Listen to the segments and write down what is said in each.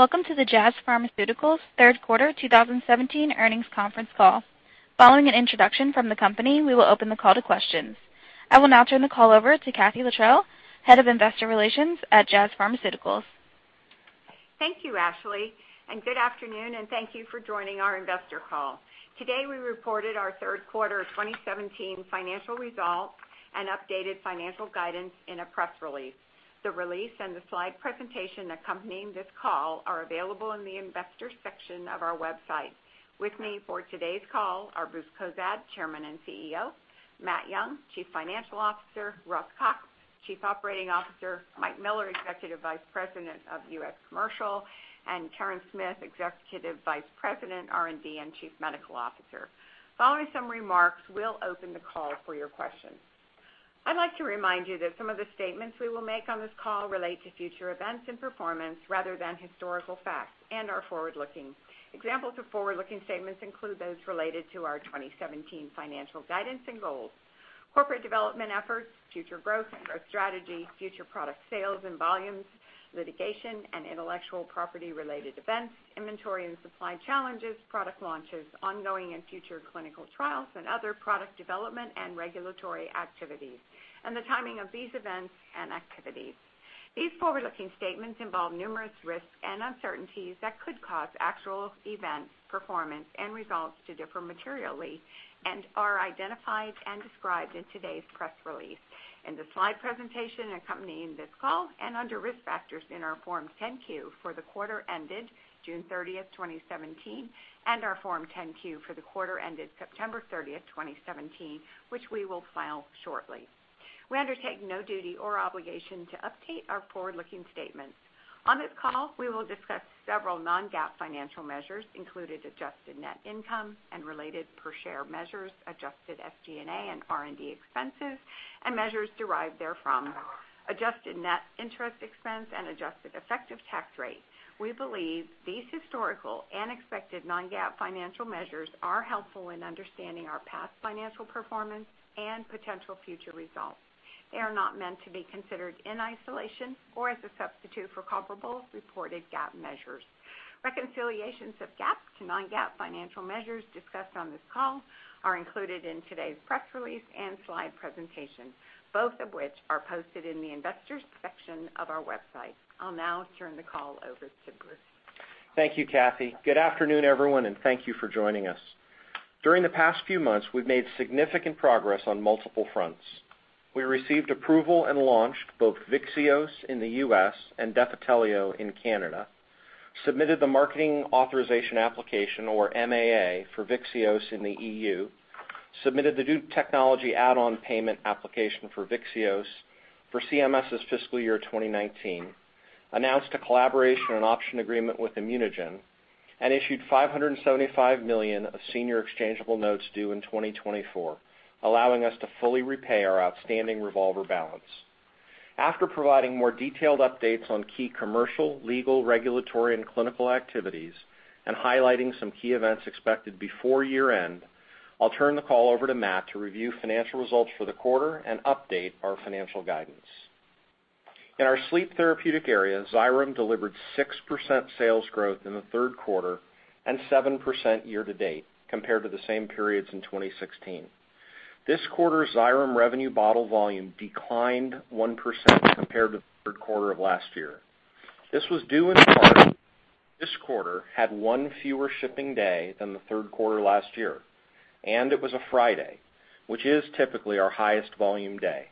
Welcome to the Jazz Pharmaceuticals third quarter 2017 earnings conference call. Following an introduction from the company, we will open the call to questions. I will now turn the call over to Katherine Littrell, Head of Investor Relations at Jazz Pharmaceuticals. Thank you, Ashley, and good afternoon, and thank you for joining our investor call. Today, we reported our third quarter 2017 financial results and updated financial guidance in a press release. The release and the slide presentation accompanying this call are available in the Investors section of our website. With me for today's call are Bruce Cozadd, Chairman and CEO, Matt Young, Chief Financial Officer, Russ Cox, Chief Operating Officer, Mike Miller, Executive Vice President of U.S. Commercial, and Karen Smith, Executive Vice President, R&D, and Chief Medical Officer. Following some remarks, we'll open the call for your questions. I'd like to remind you that some of the statements we will make on this call relate to future events and performance rather than historical facts and are forward-looking. Examples of forward-looking statements include those related to our 2017 financial guidance and goals, corporate development efforts, future growth and growth strategy, future product sales and volumes, litigation and intellectual property-related events, inventory and supply challenges, product launches, ongoing and future clinical trials, and other product development and regulatory activities, and the timing of these events and activities. These forward-looking statements involve numerous risks and uncertainties that could cause actual events, performance and results to differ materially and are identified and described in today's press release, in the slide presentation accompanying this call, and under Risk Factors in our Form 10-Q for the quarter ended June 30th, 2017, and our Form 10-Q for the quarter ended September 30th, 2017, which we will file shortly. We undertake no duty or obligation to update our forward-looking statements. On this call, we will discuss several non-GAAP financial measures, including adjusted net income and related per share measures, adjusted SG&A and R&D expenses, and measures derived therefrom, adjusted net interest expense and adjusted effective tax rate. We believe these historical and expected non-GAAP financial measures are helpful in understanding our past financial performance and potential future results. They are not meant to be considered in isolation or as a substitute for comparable reported GAAP measures. Reconciliations of GAAP to non-GAAP financial measures discussed on this call are included in today's press release and slide presentation, both of which are posted in the Investors section of our website. I'll now turn the call over to Bruce. Thank you, Kathy. Good afternoon, everyone, and thank you for joining us. During the past few months, we've made significant progress on multiple fronts. We received approval and launched both VYXEOS in the U.S. and Defitelio in Canada, submitted the marketing authorization application or MAA for VYXEOS in the EU, submitted the new technology add-on payment application for VYXEOS for CMS's fiscal year 2019, announced a collaboration and option agreement with ImmunoGen, and issued $575 million of senior exchangeable notes due in 2024, allowing us to fully repay our outstanding revolver balance. After providing more detailed updates on key commercial, legal, regulatory and clinical activities and highlighting some key events expected before year-end, I'll turn the call over to Matt to review financial results for the quarter and update our financial guidance. In our sleep therapeutic area, XYREM delivered 6% sales growth in the third quarter and 7% year-to-date compared to the same periods in 2016. This quarter's XYREM revenue and bottle volume declined 1% compared to the third quarter of last year. This was due in part to this quarter had one fewer shipping day than the third quarter last year, and it was a Friday, which is typically our highest volume day.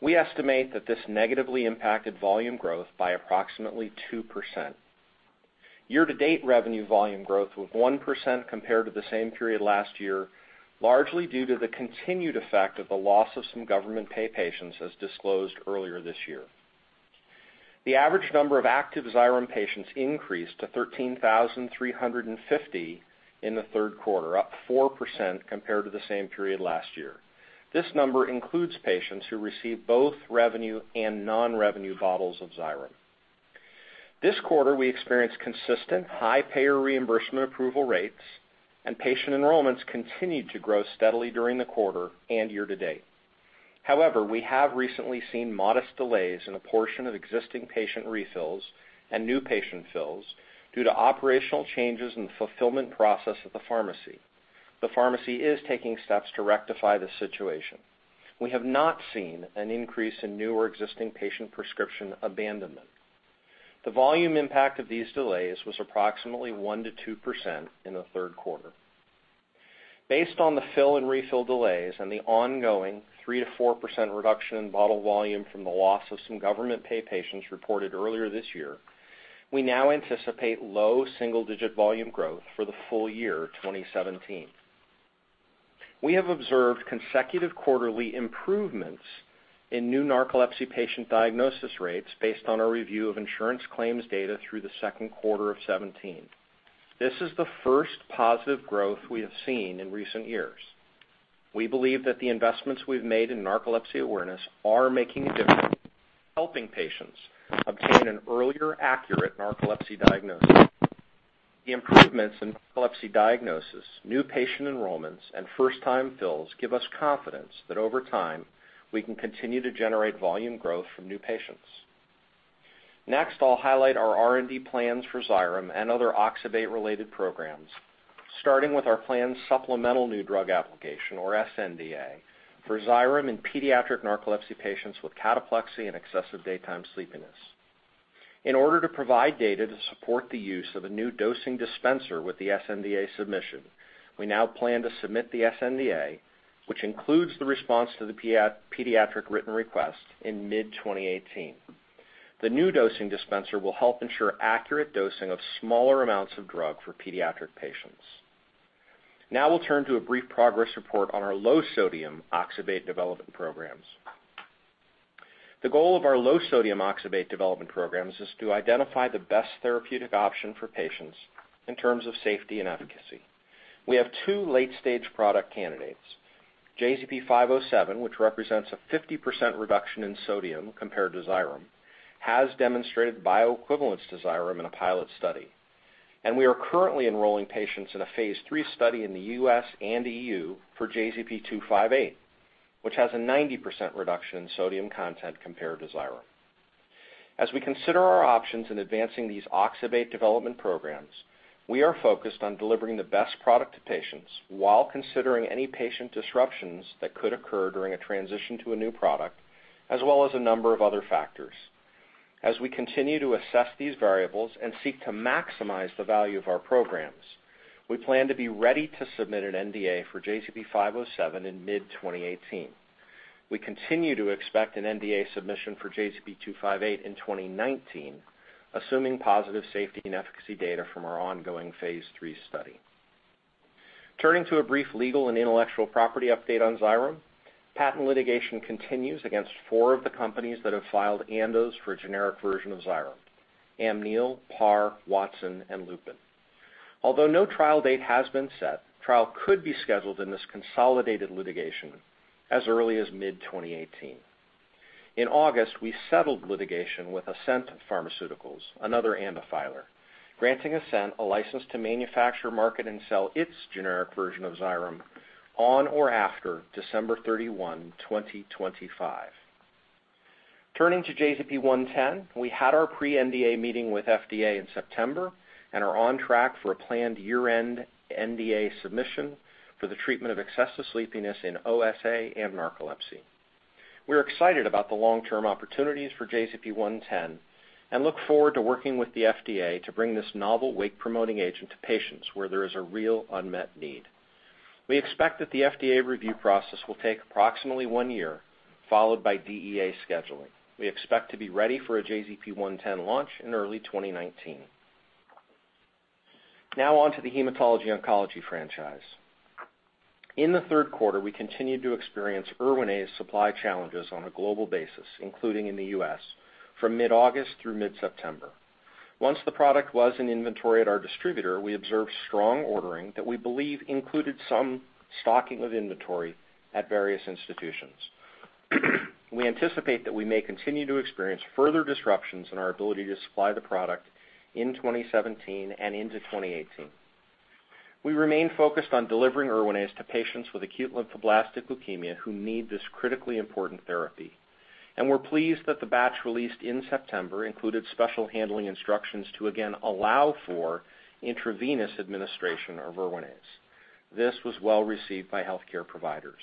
We estimate that this negatively impacted volume growth by approximately 2%. Year-to-date revenue volume growth was 1% compared to the same period last year, largely due to the continued effect of the loss of some government pay patients as disclosed earlier this year. The average number of active XYREM patients increased to 13,350 in the third quarter, up 4% compared to the same period last year. This number includes patients who receive both revenue and non-revenue bottles of XYREM. This quarter, we experienced consistent high payer reimbursement approval rates, and patient enrollments continued to grow steadily during the quarter and year-to-date. However, we have recently seen modest delays in a portion of existing patient refills and new patient fills due to operational changes in the fulfillment process at the pharmacy. The pharmacy is taking steps to rectify the situation. We have not seen an increase in new or existing patient prescription abandonment. The volume impact of these delays was approximately 1%-2% in the third quarter. Based on the fill and refill delays and the ongoing 3%, 4% reduction in bottle volume from the loss of some government pay patients reported earlier this year, we now anticipate low single-digit volume growth for the full-year 2017. We have observed consecutive quarterly improvements in new narcolepsy patient diagnosis rates based on our review of insurance claims data through the second quarter of 2017. This is the first positive growth we have seen in recent years. We believe that the investments we've made in narcolepsy awareness are making a difference, helping patients obtain an earlier accurate narcolepsy diagnosis. The improvements in narcolepsy diagnosis, new patient enrollments, and first-time fills give us confidence that over time, we can continue to generate volume growth from new patients. Next, I'll highlight our R&D plans for XYREM and other oxybate-related programs, starting with our planned supplemental new drug application, or sNDA, for XYREM in pediatric narcolepsy patients with cataplexy and excessive daytime sleepiness. In order to provide data to support the use of a new dosing dispenser with the sNDA submission, we now plan to submit the sNDA, which includes the response to the pediatric written request in mid-2018. The new dosing dispenser will help ensure accurate dosing of smaller amounts of drug for pediatric patients. Now we'll turn to a brief progress report on our low-sodium oxybate development programs. The goal of our low-sodium oxybate development programs is to identify the best therapeutic option for patients in terms of safety and efficacy. We have two late-stage product candidates, JZP-507, which represents a 50% reduction in sodium compared to XYREM, has demonstrated bioequivalence to XYREM in a pilot study. We are currently enrolling patients in a phase III study in the U.S. and EU for JZP-258, which has a 90% reduction in sodium content compared to XYREM. As we consider our options in advancing these oxybate development programs, we are focused on delivering the best product to patients while considering any patient disruptions that could occur during a transition to a new product, as well as a number of other factors. As we continue to assess these variables and seek to maximize the value of our programs, we plan to be ready to submit an NDA for JZP-507 in mid-2018. We continue to expect an NDA submission for JZP-258 in 2019, assuming positive safety and efficacy data from our ongoing phase III study. Turning to a brief legal and intellectual property update on XYREM. Patent litigation continues against four of the companies that have filed ANDAs for a generic version of XYREM, Amneal, Par, Watson, and Lupin. Although no trial date has been set, trial could be scheduled in this consolidated litigation as early as mid-2018. In August, we settled litigation with Ascent Pharmaceuticals, another ANDA filer, granting Ascent a license to manufacture, market, and sell its generic version of XYREM on or after December 31, 2025. Turning to JZP-110, we had our pre-NDA meeting with FDA in September and are on track for a planned year-end NDA submission for the treatment of excessive sleepiness in OSA and narcolepsy. We're excited about the long-term opportunities for JZP-110 and look forward to working with the FDA to bring this novel wake-promoting agent to patients where there is a real unmet need. We expect that the FDA review process will take approximately one year, followed by DEA scheduling. We expect to be ready for a JZP-110 launch in early 2019. Now on to the hematology oncology franchise. In the third quarter, we continued to experience Erwinaze supply challenges on a global basis, including in the U.S., from mid-August through mid-September. Once the product was in inventory at our distributor, we observed strong ordering that we believe included some stocking of inventory at various institutions. We anticipate that we may continue to experience further disruptions in our ability to supply the product in 2017 and into 2018. We remain focused on delivering Erwinaze to patients with acute lymphoblastic leukemia who need this critically important therapy, and we're pleased that the batch released in September included special handling instructions to again allow for intravenous administration of Erwinaze. This was well-received by healthcare providers.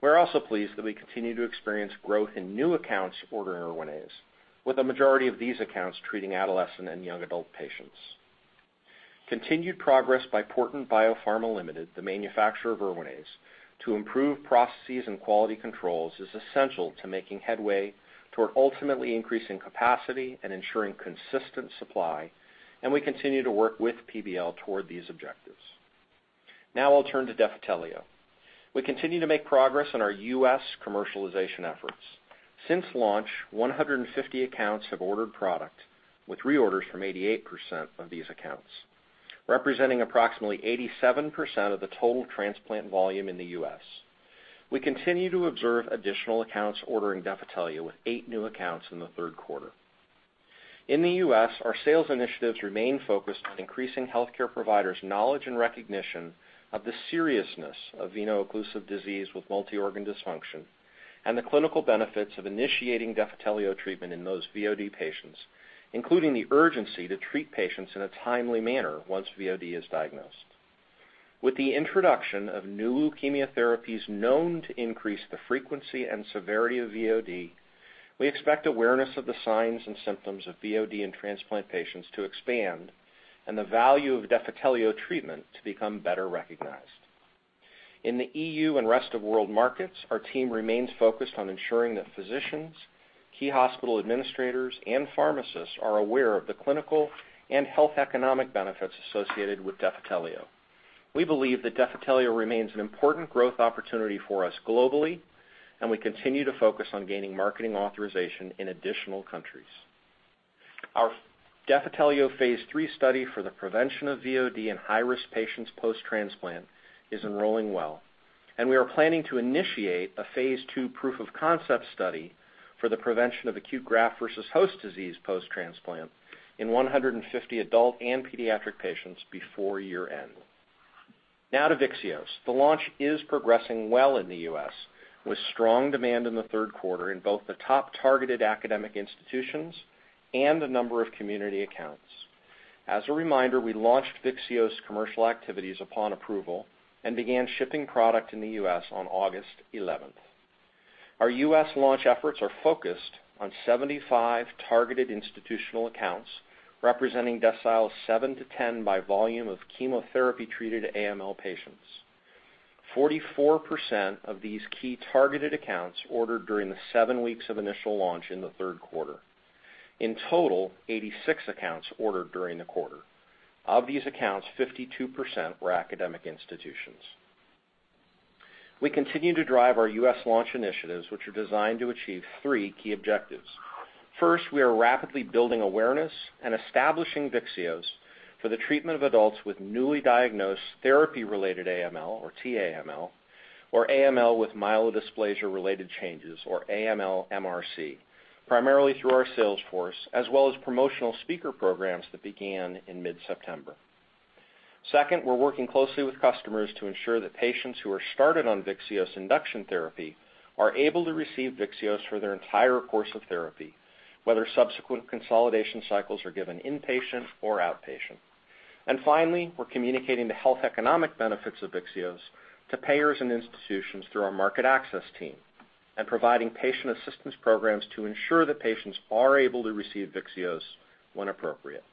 We're also pleased that we continue to experience growth in new accounts ordering Erwinaze, with the majority of these accounts treating adolescent and young adult patients. Continued progress by Porton BioPharma Limited, the manufacturer of Erwinaze, to improve processes and quality controls is essential to making headway toward ultimately increasing capacity and ensuring consistent supply, and we continue to work with PBL toward these objectives. Now I'll turn to Defitelio. We continue to make progress on our U.S. commercialization efforts. Since launch, 150 accounts have ordered product, with reorders from 88% of these accounts, representing approximately 87% of the total transplant volume in the U.S. We continue to observe additional accounts ordering Defitelio, with eight new accounts in the third quarter. In the U.S., our sales initiatives remain focused on increasing healthcare providers' knowledge and recognition of the seriousness of veno-occlusive disease with multi-organ dysfunction and the clinical benefits of initiating Defitelio treatment in those VOD patients, including the urgency to treat patients in a timely manner once VOD is diagnosed. With the introduction of new leukemia therapies known to increase the frequency and severity of VOD, we expect awareness of the signs and symptoms of VOD in transplant patients to expand and the value of Defitelio treatment to become better recognized. In the EU and rest-of-world markets, our team remains focused on ensuring that physicians, key hospital administrators, and pharmacists are aware of the clinical and health economic benefits associated with Defitelio. We believe that Defitelio remains an important growth opportunity for us globally, and we continue to focus on gaining marketing authorization in additional countries. Our Defitelio phase III study for the prevention of VOD in high-risk patients post-transplant is enrolling well. We are planning to initiate a phase II proof of concept study for the prevention of acute graft versus host disease post-transplant in 150 adult and pediatric patients before year-end. Now to VYXEOS. The launch is progressing well in the U.S., with strong demand in the third quarter in both the top targeted academic institutions and a number of community accounts. As a reminder, we launched VYXEOS commercial activities upon approval and began shipping product in the U.S. on August eleventh. Our U.S. launch efforts are focused on 75 targeted institutional accounts representing decile seven to 10 by volume of chemotherapy-treated AML patients. 44% of these key targeted accounts ordered during the seven weeks of initial launch in the third quarter. In total, 86 accounts ordered during the quarter. Of these accounts, 52% were academic institutions. We continue to drive our U.S. launch initiatives, which are designed to achieve three key objectives. First, we are rapidly building awareness and establishing VYXEOS for the treatment of adults with newly diagnosed therapy-related AML, or tAML, or AML with myelodysplasia-related changes, or AML-MRC, primarily through our sales force, as well as promotional speaker programs that began in mid-September. Second, we're working closely with customers to ensure that patients who are started on VYXEOS induction therapy are able to receive VYXEOS for their entire course of therapy, whether subsequent consolidation cycles are given inpatient or outpatient. Finally, we're communicating the health economic benefits of VYXEOS to payers and institutions through our market access team, and providing patient assistance programs to ensure that patients are able to receive VYXEOS when appropriate.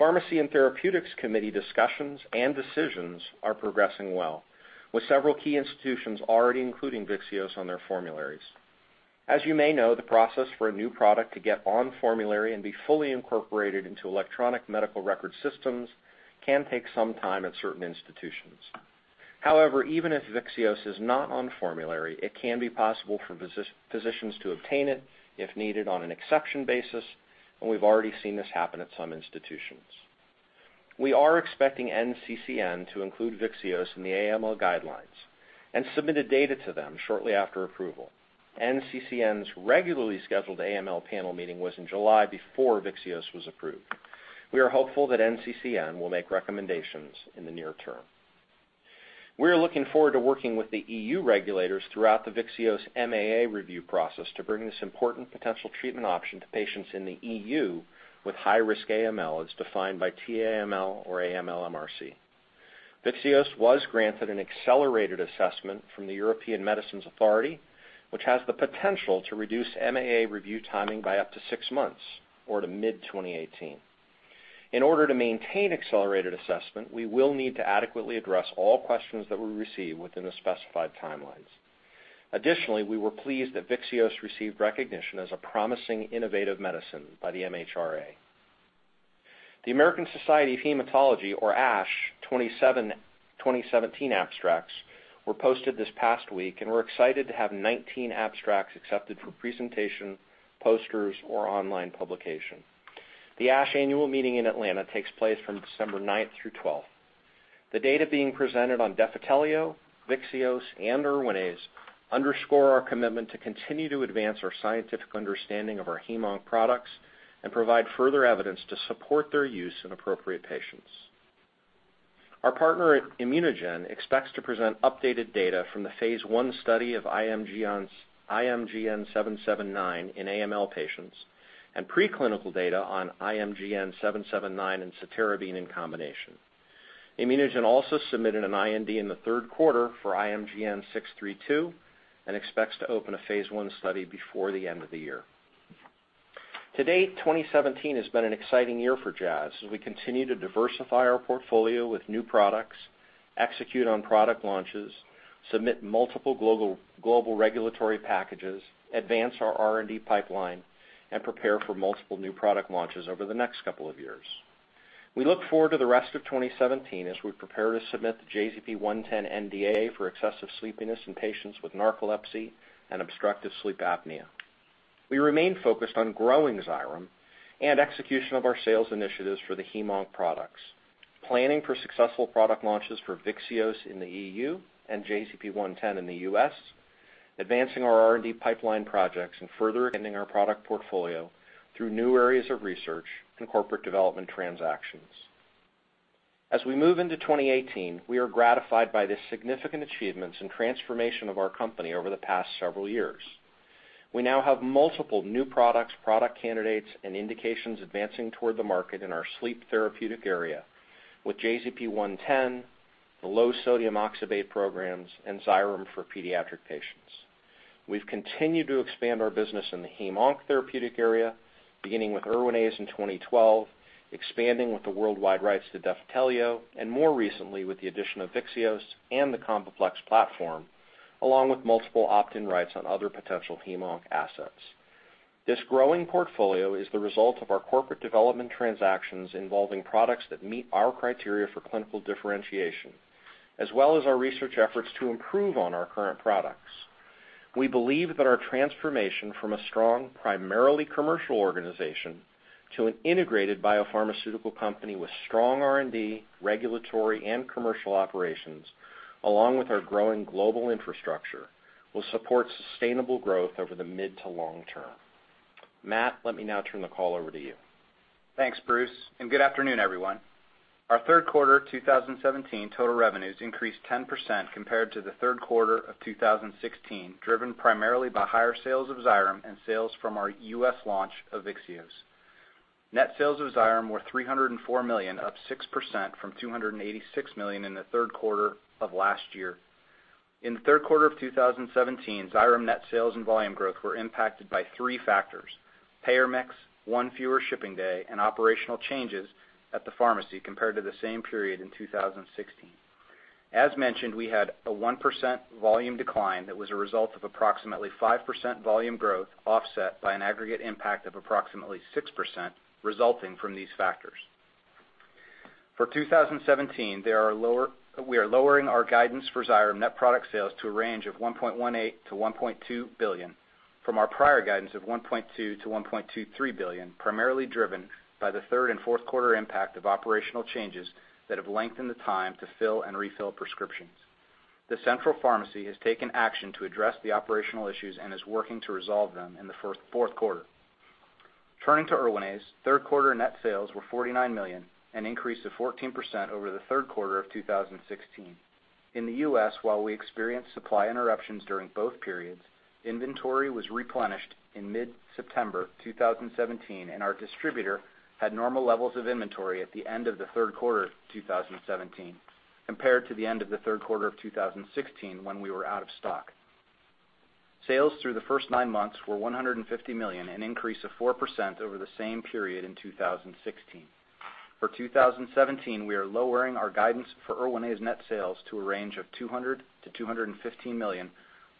Pharmacy and therapeutics committee discussions and decisions are progressing well, with several key institutions already including VYXEOS on their formularies. As you may know, the process for a new product to get on formulary and be fully incorporated into electronic medical record systems can take some time at certain institutions. However, even if VYXEOS is not on formulary, it can be possible for physicians to obtain it if needed on an exception basis, and we've already seen this happen at some institutions. We are expecting NCCN to include VYXEOS in the AML guidelines and submitted data to them shortly after approval. NCCN's regularly scheduled AML panel meeting was in July before VYXEOS was approved. We are hopeful that NCCN will make recommendations in the near term. We are looking forward to working with the EU regulators throughout the VYXEOS MAA review process to bring this important potential treatment option to patients in the EU with high-risk AML as defined by tAML or AML-MRC. VYXEOS was granted an accelerated assessment from the European Medicines Authority, which has the potential to reduce MAA review timing by up to six months or to mid-2018. In order to maintain accelerated assessment, we will need to adequately address all questions that we receive within the specified timelines. Additionally, we were pleased that VYXEOS received recognition as a promising innovative medicine by the MHRA. The American Society of Hematology, or ASH 2017 abstracts were posted this past week, and we're excited to have 19 abstracts accepted for presentation, posters or online publication. The ASH Annual Meeting in Atlanta takes place from December 9th through 12th. The data being presented on Defitelio, VYXEOS and Erwinaze underscore our commitment to continue to advance our scientific understanding of our HemOnc products and provide further evidence to support their use in appropriate patients. Our partner at ImmunoGen expects to present updated data from the phase one study of IMGN-779 in AML patients and preclinical data on IMGN-779 and Cytarabine in combination. ImmunoGen also submitted an IND in the third quarter for IMGN-632 and expects to open a phase I study before the end of the year. To date, 2017 has been an exciting year for Jazz as we continue to diversify our portfolio with new products, execute on product launches, submit multiple global regulatory packages, advance our R&D pipeline, and prepare for multiple new product launches over the next couple of years. We look forward to the rest of 2017 as we prepare to submit the JZP-110 NDA for excessive sleepiness in patients with narcolepsy and obstructive sleep apnea. We remain focused on growing XYREM and execution of our sales initiatives for the HemOnc products, planning for successful product launches for VYXEOS in the EU and JZP-110 in the U.S., advancing our R&D pipeline projects, and further expanding our product portfolio through new areas of research and corporate development transactions. As we move into 2018, we are gratified by the significant achievements and transformation of our company over the past several years. We now have multiple new products, product candidates and indications advancing toward the market in our sleep therapeutic area with JZP-110, the low-sodium oxybate programs and XYREM for pediatric patients. We've continued to expand our business in the hemonc therapeutic area, beginning with Erwinaze in 2012, expanding with the worldwide rights to Defitelio, and more recently with the addition of VYXEOS and the CombiPlex platform, along with multiple opt-in rights on other potential HemOnc assets. This growing portfolio is the result of our corporate development transactions involving products that meet our criteria for clinical differentiation, as well as our research efforts to improve on our current products. We believe that our transformation from a strong, primarily commercial organization to an integrated biopharmaceutical company with strong R&D, regulatory and commercial operations, along with our growing global infrastructure, will support sustainable growth over the mid to long-term. Matt, let me now turn the call over to you. Thanks, Bruce, and good afternoon, everyone. Our third quarter 2017 total revenues increased 10% compared to the third quarter of 2016, driven primarily by higher sales of XYREM and sales from our U.S. launch of VYXEOS. Net sales of XYREM were $304 million, up 6% from $286 million in the third quarter of last year. In the third quarter of 2017, XYREM net sales and volume growth were impacted by three factors, payer mix, one fewer shipping day, and operational changes at the pharmacy compared to the same period in 2016. As mentioned, we had a 1% volume decline that was a result of approximately 5% volume growth, offset by an aggregate impact of approximately 6% resulting from these factors. For 2017, we are lowering our guidance for XYREM net product sales to a range of $1.18 billion-$1.2 billion from our prior guidance of $1.2 billion-$1.23 billion, primarily driven by the third and fourth quarter impact of operational changes that have lengthened the time to fill and refill prescriptions. The central pharmacy has taken action to address the operational issues and is working to resolve them in the fourth quarter. Turning to Erwinaze, third quarter net sales were $49 million, an increase of 14% over the third quarter of 2016. In the U.S., while we experienced supply interruptions during both periods, inventory was replenished in mid-September 2017, and our distributor had normal levels of inventory at the end of the third quarter of 2017 compared to the end of the third quarter of 2016 when we were out of stock. Sales through the first nine months were $150 million, an increase of 4% over the same period in 2016. For 2017, we are lowering our guidance for Erwinaze net sales to a range of $200 million-$215 million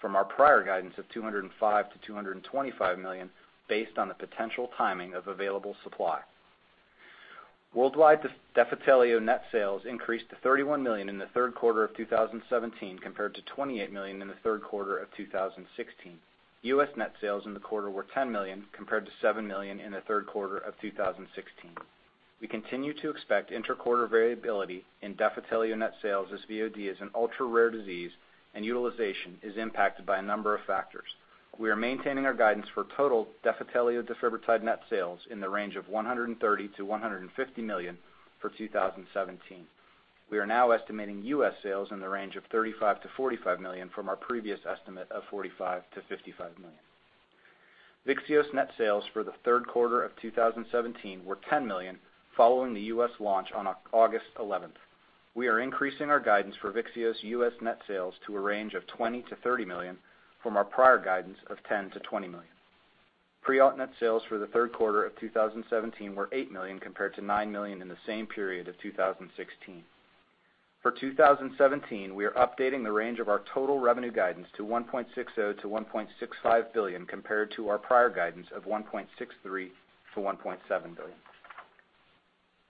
from our prior guidance of $205 million-$225 million, based on the potential timing of available supply. Worldwide Defitelio net sales increased to $31 million in the third quarter of 2017 compared to $28 million in the third quarter of 2016. U.S. net sales in the quarter were $10 million compared to $7 million in the third quarter of 2016. We continue to expect inter-quarter variability in Defitelio net sales as VOD is an ultra-rare disease and utilization is impacted by a number of factors. We are maintaining our guidance for total Defitelio defibrotide net sales in the range of $130 million-$150 million for 2017. We are now estimating U.S. sales in the range of $35 million-$45 million from our previous estimate of $45 million-$55 million. VYXEOS net sales for the third quarter of 2017 were $10 million following the U.S. launch on August 11th. We are increasing our guidance for VYXEOS U.S. net sales to a range of $20 million-$30 million from our prior guidance of $10 million-$20 million. PRIALT net sales for the third quarter of 2017 were $8 million compared to $9 million in the same period of 2016. For 2017, we are updating the range of our total revenue guidance to $1.60 billion-$1.65 billion compared to our prior guidance of $1.63 billion-$1.7 billion.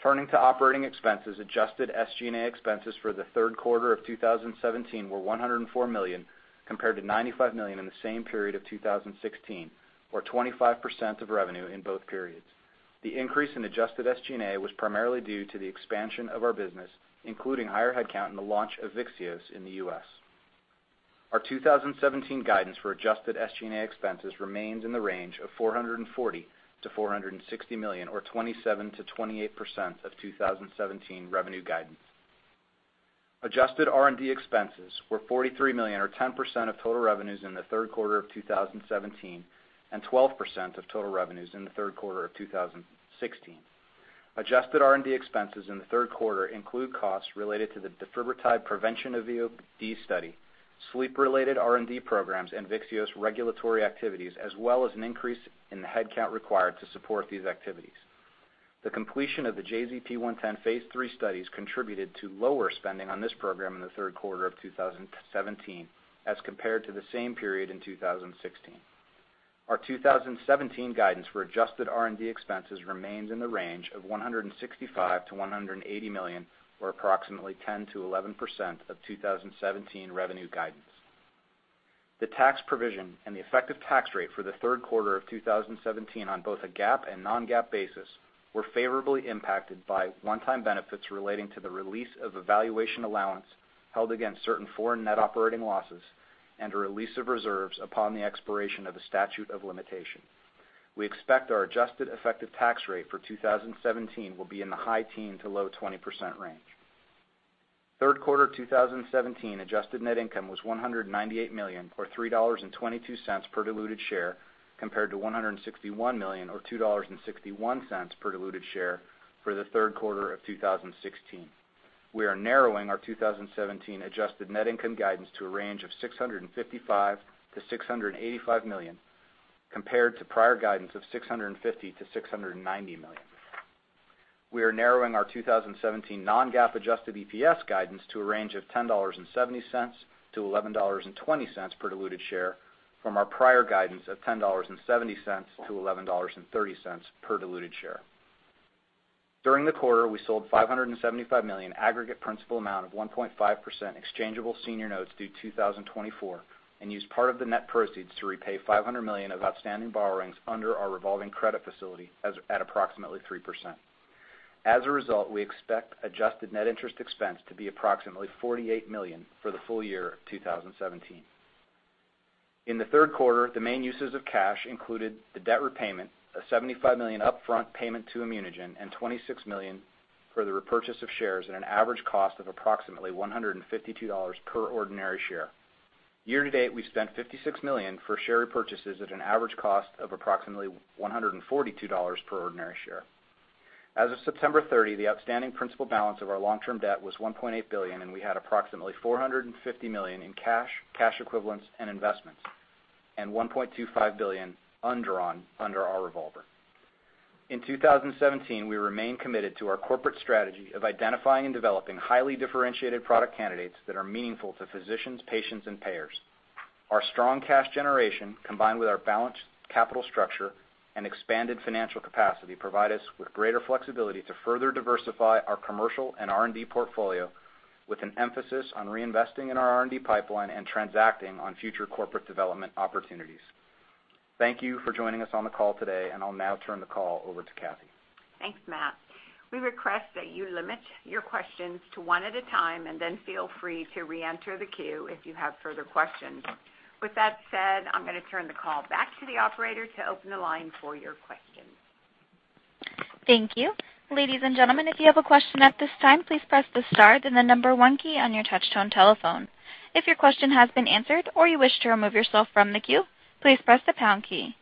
Turning to operating expenses, adjusted SG&A expenses for the third quarter of 2017 were $104 million compared to $95 million in the same period of 2016, or 25% of revenue in both periods. The increase in adjusted SG&A was primarily due to the expansion of our business, including higher headcount in the launch of VYXEOS in the U.S. Our 2017 guidance for adjusted SG&A expenses remains in the range of $440 million-$460 million, or 27%-28% of 2017 revenue guidance. Adjusted R&D expenses were $43 million, or 10% of total revenues in the third quarter of 2017, and 12% of total revenues in the third quarter of 2016. Adjusted R&D expenses in the third quarter include costs related to the defibrotide prevention of VOD study, sleep-related R&D programs, and VYXEOS regulatory activities, as well as an increase in the headcount required to support these activities. The completion of the JZP-110 phase III studies contributed to lower spending on this program in the third quarter of 2017 as compared to the same period in 2016. Our 2017 guidance for adjusted R&D expenses remains in the range of $165 million-$180 million, or approximately 10%-11% of 2017 revenue guidance. The tax provision and the effective tax rate for the third quarter of 2017 on both a GAAP and non-GAAP basis were favorably impacted by one-time benefits relating to the release of a valuation allowance held against certain foreign net operating losses and a release of reserves upon the expiration of a statute of limitation. We expect our adjusted effective tax rate for 2017 will be in the high teens to low 20% range. Third quarter 2017 adjusted net income was $198 million or $3.22 per diluted share, compared to $161 million or $2.61 per diluted share for the third quarter of 2016. We are narrowing our 2017 adjusted net income guidance to a range of $655 million-$685 million compared to prior guidance of $650 million-$690 million. We are narrowing our 2017 non-GAAP adjusted EPS guidance to a range of $10.70-$11.20 per diluted share from our prior guidance of $10.70-$11.30 per diluted share. During the quarter, we sold $575 million aggregate principal amount of 1.5% Exchangeable Senior Notes through 2024, and used part of the net proceeds to repay $500 million of outstanding borrowings under our revolving credit facility at approximately 3%. As a result, we expect adjusted net interest expense to be approximately $48 million for the full-year of 2017. In the third quarter, the main uses of cash included the debt repayment of $75 million, upfront payment to ImmunoGen, and $26 million for the repurchase of shares at an average cost of approximately $152 per ordinary share. Year-to-date, we spent $56 million for share repurchases at an average cost of approximately $142 per ordinary share. As of September 30, the outstanding principal balance of our long-term debt was $1.8 billion, and we had approximately $450 million in cash equivalents, and investments, and $1.25 billion undrawn under our revolver. In 2017, we remain committed to our corporate strategy of identifying and developing highly differentiated product candidates that are meaningful to physicians, patients, and payers. Our strong cash generation, combined with our balanced capital structure and expanded financial capacity, provide us with greater flexibility to further diversify our commercial and R&D portfolio with an emphasis on reinvesting in our R&D pipeline and transacting on future corporate development opportunities. Thank you for joining us on the call today, and I'll now turn the call over to Kathy. Thanks, Matt. We request that you limit your questions to one at a time and then feel free to reenter the queue if you have further questions. With that said, I'm gonna turn the call back to the operator to open the line for your questions. Thank you. Ladies and gentlemen, if you have a question at this time, please press the star then the number one key on your touchtone telephone. If your question has been answered or you wish to remove yourself from the queue, please press the pound key.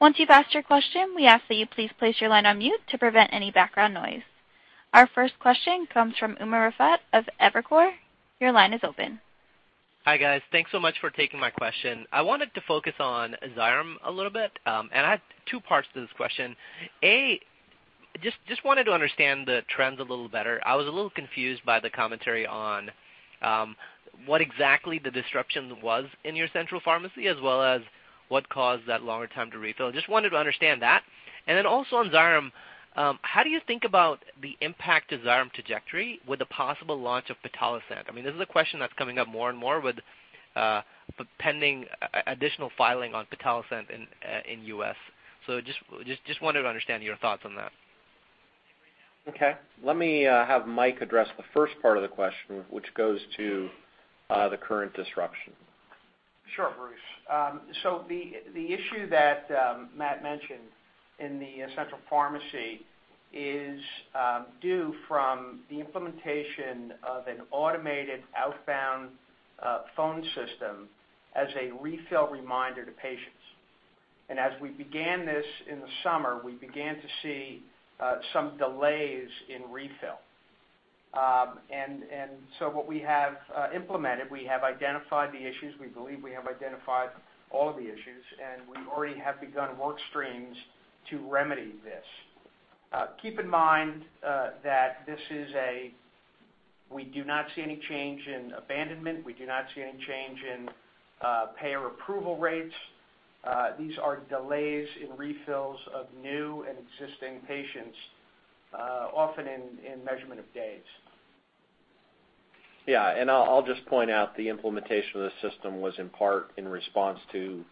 Once you've asked your question, we ask that you please place your line on mute to prevent any background noise. Our first question comes from Umer Raffat of Evercore. Your line is open. Hi, guys. Thanks so much for taking my question. I wanted to focus on XYREM a little bit, and I have two parts to this question. A, just wanted to understand the trends a little better. I was a little confused by the commentary on what exactly the disruption was in your central pharmacy as well as what caused that longer time to refill. Just wanted to understand that. And then also on XYREM, how do you think about the impact to XYREM trajectory with the possible launch of pitolisant? I mean, this is a question that's coming up more and more with pending additional filing on pitolisant in U.S. So just wanted to understand your thoughts on that. Okay. Let me have Mike address the first part of the question, which goes to the current disruption. Sure, Bruce. The issue that Matt mentioned in the central pharmacy is due to the implementation of an automated outbound phone system as a refill reminder to patients. As we began this in the summer, we began to see some delays in refill. What we have implemented, we have identified the issues. We believe we have identified all of the issues, and we already have begun work streams to remedy this. Keep in mind that we do not see any change in abandonment. We do not see any change in payer approval rates. These are delays in refills of new and existing patients, often in measurement of days. Yeah. I'll just point out the implementation of the system was in part in response to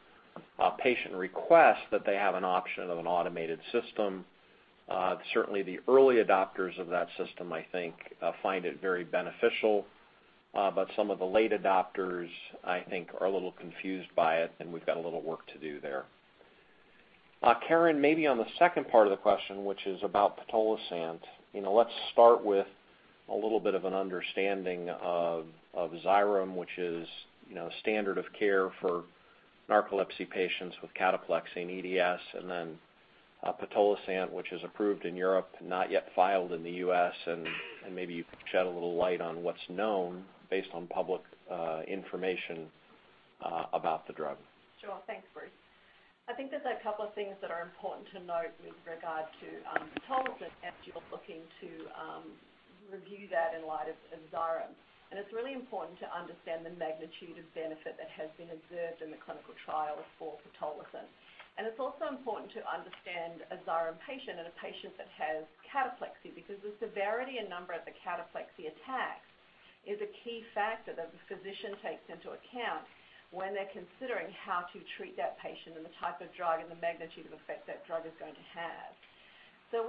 a patient request that they have an option of an automated system. Certainly the early adopters of that system, I think, find it very beneficial. But some of the late adopters, I think, are a little confused by it, and we've got a little work to do there. Karen, maybe on the second part of the question, which is about pitolisant. You know, let's start with a little bit of an understanding of XYREM, which is, you know, standard of care for narcolepsy patients with cataplexy, EDS, and then, pitolisant, which is approved in Europe, not yet filed in the U.S., and maybe you could shed a little light on what's known based on public information about the drug. Sure. Thanks, Bruce. I think there's a couple of things that are important to note with regard to pitolisant as you're looking to review that in light of XYREM. It's really important to understand the magnitude and benefit that has been observed in the clinical trials for pitolisant. It's also important to understand a XYREM patient and a patient that has cataplexy, because the severity and number of the cataplexy attacks is a key factor that the physician takes into account when they're considering how to treat that patient and the type of drug and the magnitude of effect that drug is going to have.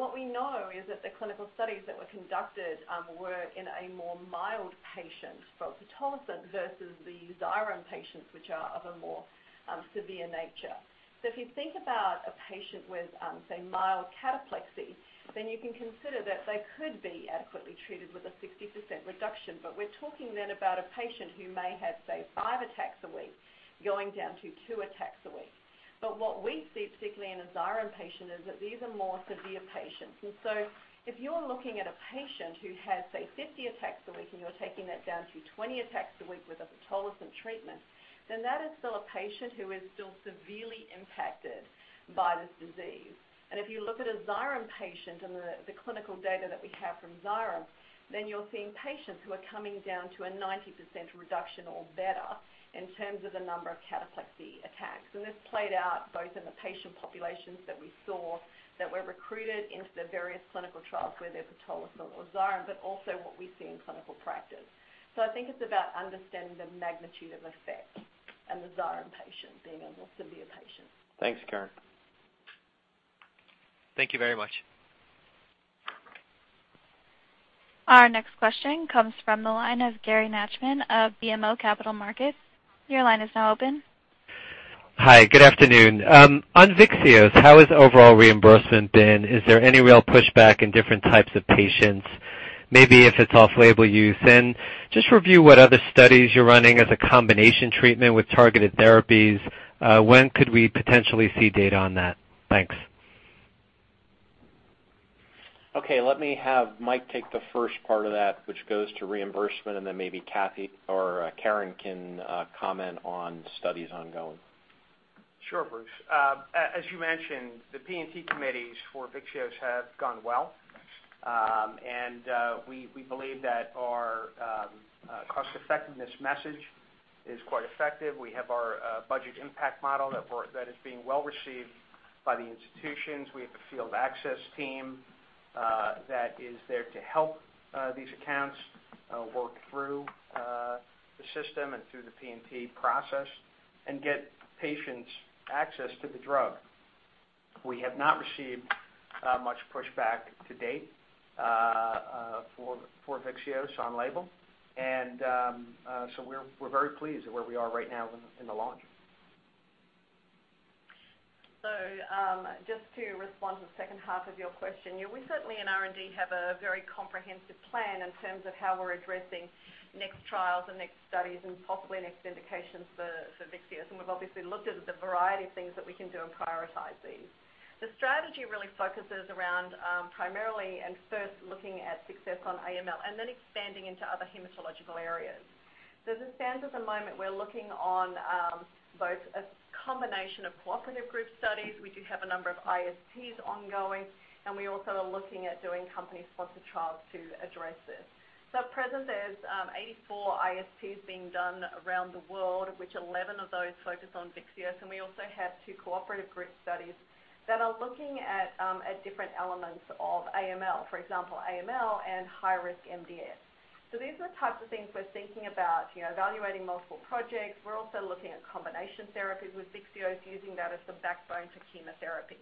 What we know is that the clinical studies that were conducted were in a more mild patient for pitolisant versus the XYREM patients, which are of a more severe nature. If you think about a patient with, say, mild cataplexy, then you can consider that they could be adequately treated with a 60% reduction. We're talking then about a patient who may have, say, five attacks a week going down to two attacks a week. What we see, particularly in a XYREM patient, is that these are more severe patients. If you're looking at a patient who has, say, 50 attacks a week and you're taking that down to 20 attacks a week with pitolisant treatment, then that is still a patient who is still severely impacted by this disease. If you look at a XYREM patient and the clinical data that we have from XYREM, then you're seeing patients who are coming down to a 90% reduction or better in terms of the number of cataplexy attacks. This played out both in the patient populations that we saw that were recruited into the various clinical trials, whether pitolisant or XYREM, but also what we see in clinical practice. I think it's about understanding the magnitude of effect and the XYREM patient being able to be a patient. Thanks, Karen. Thank you very much. Our next question comes from the line of Gary Nachman of BMO Capital Markets. Your line is now open. Hi, good afternoon. On VYXEOS, how has overall reimbursement been? Is there any real pushback in different types of patients, maybe if it's off-label use? Just review what other studies you're running as a combination treatment with targeted therapies. When could we potentially see data on that? Thanks. Okay, let me have Mike take the first part of that, which goes to reimbursement, and then maybe Kathy or Karen can comment on studies ongoing. Sure, Bruce. As you mentioned, the P&T committees for VYXEOS have gone well. We believe that our cost effectiveness message is quite effective. We have our budget impact model that is being well received by the institutions. We have the field access team that is there to help these accounts work through the system and through the P&T process and get patients access to the drug. We have not received much pushback to date for VYXEOS on label. We're very pleased at where we are right now in the launch. Just to respond to the second half of your question. Yeah, we certainly in R&D have a very comprehensive plan in terms of how we're addressing next trials and next studies and possibly next indications for VYXEOS. We've obviously looked at the variety of things that we can do and prioritize these. The strategy really focuses around primarily and first looking at success on AML and then expanding into other hematological areas. As it stands at the moment, we're looking at both a combination of cooperative group studies. We do have a number of ISTs ongoing, and we also are looking at doing company-sponsored trials to address this. At present, there's 84 ISTs being done around the world, which 11 of those focus on VYXEOS. We also have two cooperative group studies that are looking at different elements of AML, for example, AML and high-risk MDS. These are the types of things we're thinking about, you know, evaluating multiple projects. We're also looking at combination therapies with VYXEOS, using that as the backbone for chemotherapy.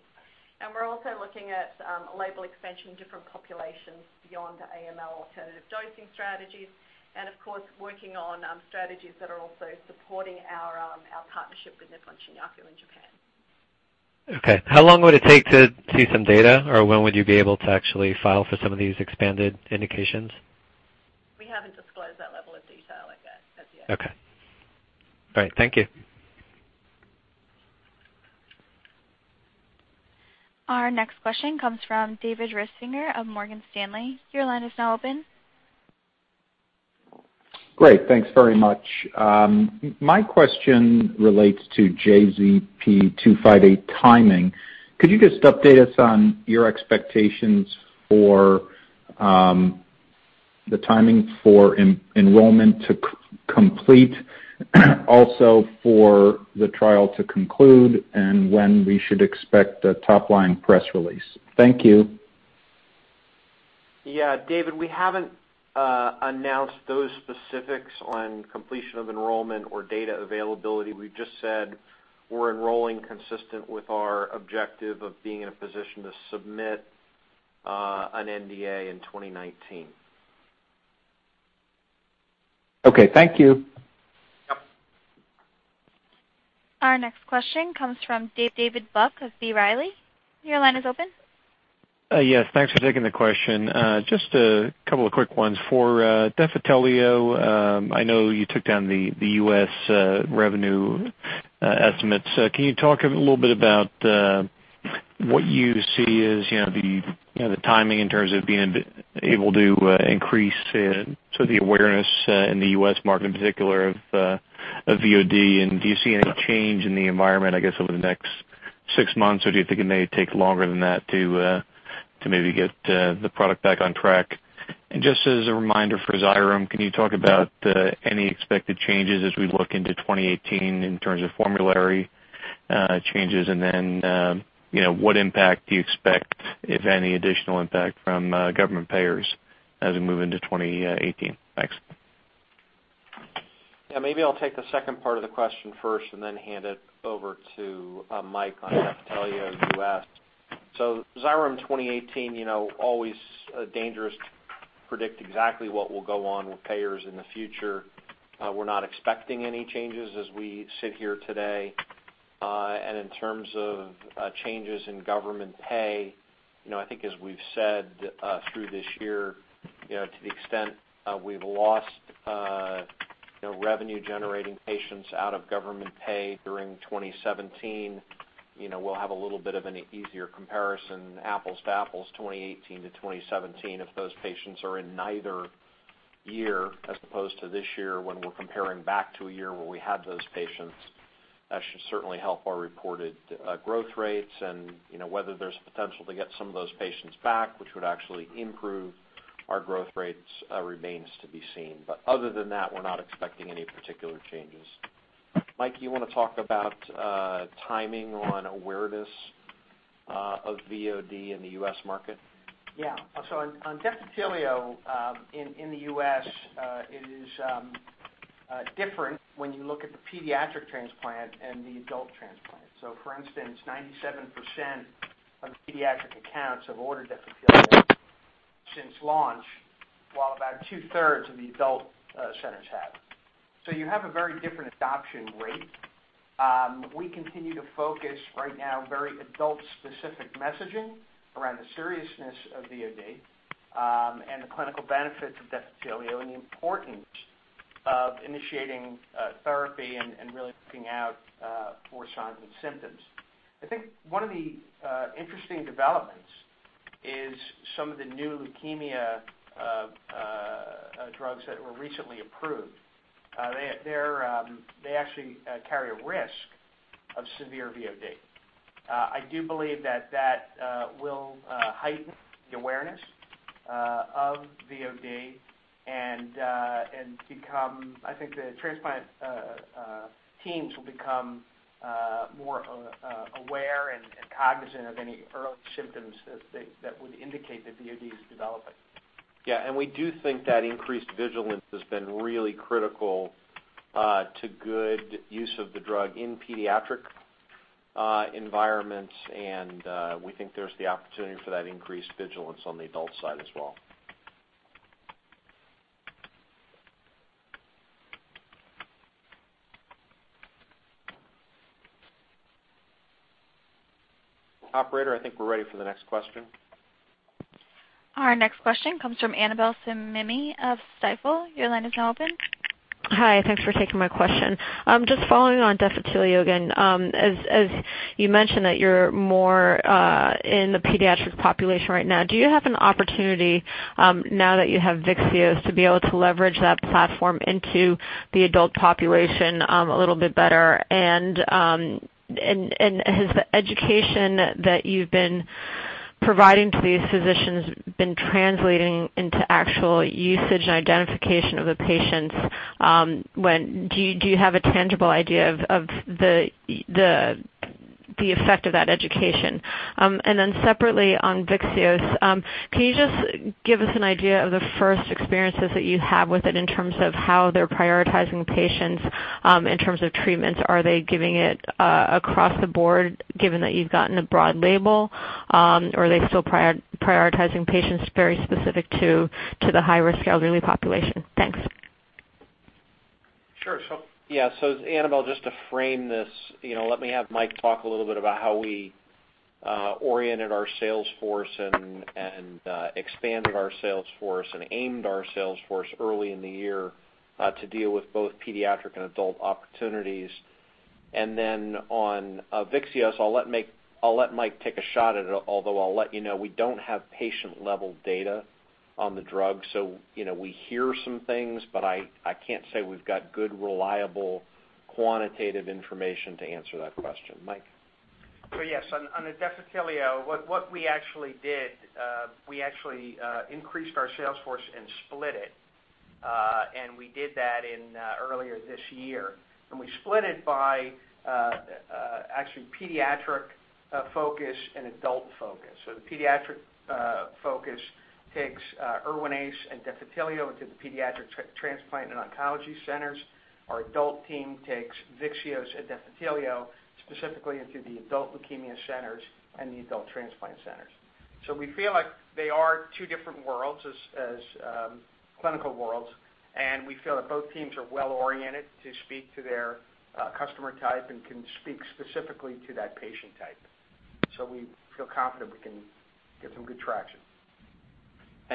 We're also looking at label expansion in different populations beyond AML, alternative dosing strategies, and of course, working on strategies that are also supporting our partnership with Nippon Shinyaku in Japan. Okay. How long would it take to see some data, or when would you be able to actually file for some of these expanded indications? We haven't disclosed that level of detail, I guess, as yet. Okay. All right. Thank you. Our next question comes from David Risinger of Morgan Stanley. Your line is now open. Great. Thanks very much. My question relates to JZP-258 timing. Could you just update us on your expectations for the timing for enrollment to complete, also for the trial to conclude and when we should expect the top line press release? Thank you. Yeah, David, we haven't announced those specifics on completion of enrollment or data availability. We've just said we're enrolling consistent with our objective of being in a position to submit an NDA in 2019. Okay, thank you. Yep. Our next question comes from David Buck of B. Riley. Your line is open. Yes, thanks for taking the question. Just a couple of quick ones. For Defitelio, I know you took down the U.S. revenue estimates. Can you talk a little bit about what you see as, you know, the timing in terms of being able to increase sort of the awareness in the U.S. market in particular of VOD? And do you see any change in the environment, I guess, over the next six months, or do you think it may take longer than that to maybe get the product back on track? And just as a reminder for XYREM, can you talk about any expected changes as we look into 2018 in terms of formulary changes? You know, what impact do you expect, if any additional impact from government payers as we move into 2018? Thanks. Yeah, maybe I'll take the second part of the question first and then hand it over to Mike on Defitelio in the U.S. XYREM 2018, you know, always dangerous to predict exactly what will go on with payers in the future. We're not expecting any changes as we sit here today. In terms of changes in government payer, you know, I think as we've said through this year, you know, to the extent we've lost, you know, revenue generating patients out of government payer during 2017, you know, we'll have a little bit of an easier comparison, apples to apples, 2018 to 2017 if those patients are in neither year as opposed to this year when we're comparing back to a year where we had those patients. That should certainly help our reported growth rates and, you know, whether there's potential to get some of those patients back, which would actually improve our growth rates remains to be seen. Other than that, we're not expecting any particular changes. Mike, you wanna talk about timing on awareness of VOD in the U.S. market? On Defitelio, in the U.S., it is different when you look at the pediatric transplant and the adult transplant. For instance, 97% of pediatric accounts have ordered Defitelio since launch, while about two-thirds of the adult centers have. You have a very different adoption rate. We continue to focus right now very adult-specific messaging around the seriousness of VOD, and the clinical benefits of Defitelio and the importance of initiating therapy and really looking out for signs and symptoms. I think one of the interesting developments is some of the new leukemia drugs that were recently approved. They actually carry a risk of severe VOD. I do believe that will heighten the awareness of VOD. I think the transplant teams will become more aware and cognizant of any early symptoms that would indicate that VOD is developing. Yeah. We do think that increased vigilance has been really critical to good use of the drug in pediatric environments. We think there's the opportunity for that increased vigilance on the adult side as well. Operator, I think we're ready for the next question. Our next question comes from Annabel Samimy of Stifel. Your line is now open. Hi. Thanks for taking my question. Just following on Defitelio again. As you mentioned that you're more in the pediatric population right now, do you have an opportunity now that you have VYXEOS to be able to leverage that platform into the adult population a little bit better? Has the education that you've been providing to these physicians been translating into actual usage and identification of the patients? Do you have a tangible idea of the effect of that education? Separately on VYXEOS, can you just give us an idea of the first experiences that you have with it in terms of how they're prioritizing patients in terms of treatments? Are they giving it across the board given that you've gotten a broad label? Are they still prioritizing patients very specific to the high-risk elderly population? Thanks. Sure. Yeah, Annabel, just to frame this, you know, let me have Mike talk a little bit about how we oriented our sales force and expanded our sales force and aimed our sales force early in the year to deal with both pediatric and adult opportunities. Then on VYXEOS, I'll let Mike take a shot at it, although I'll let you know, we don't have patient-level data on the drug. You know, we hear some things, but I can't say we've got good, reliable, quantitative information to answer that question. Mike? Yes, on the Defitelio, we actually increased our sales force and split it. We did that earlier this year. We split it by actually pediatric focus and adult focus. The pediatric focus takes Erwinaze and Defitelio into the pediatric transplant and oncology centers. Our adult team takes VYXEOS and Defitelio specifically into the adult leukemia centers and the adult transplant centers. We feel like they are two different worlds, clinical worlds, and we feel that both teams are well oriented to speak to their customer type and can speak specifically to that patient type. We feel confident we can get some good traction.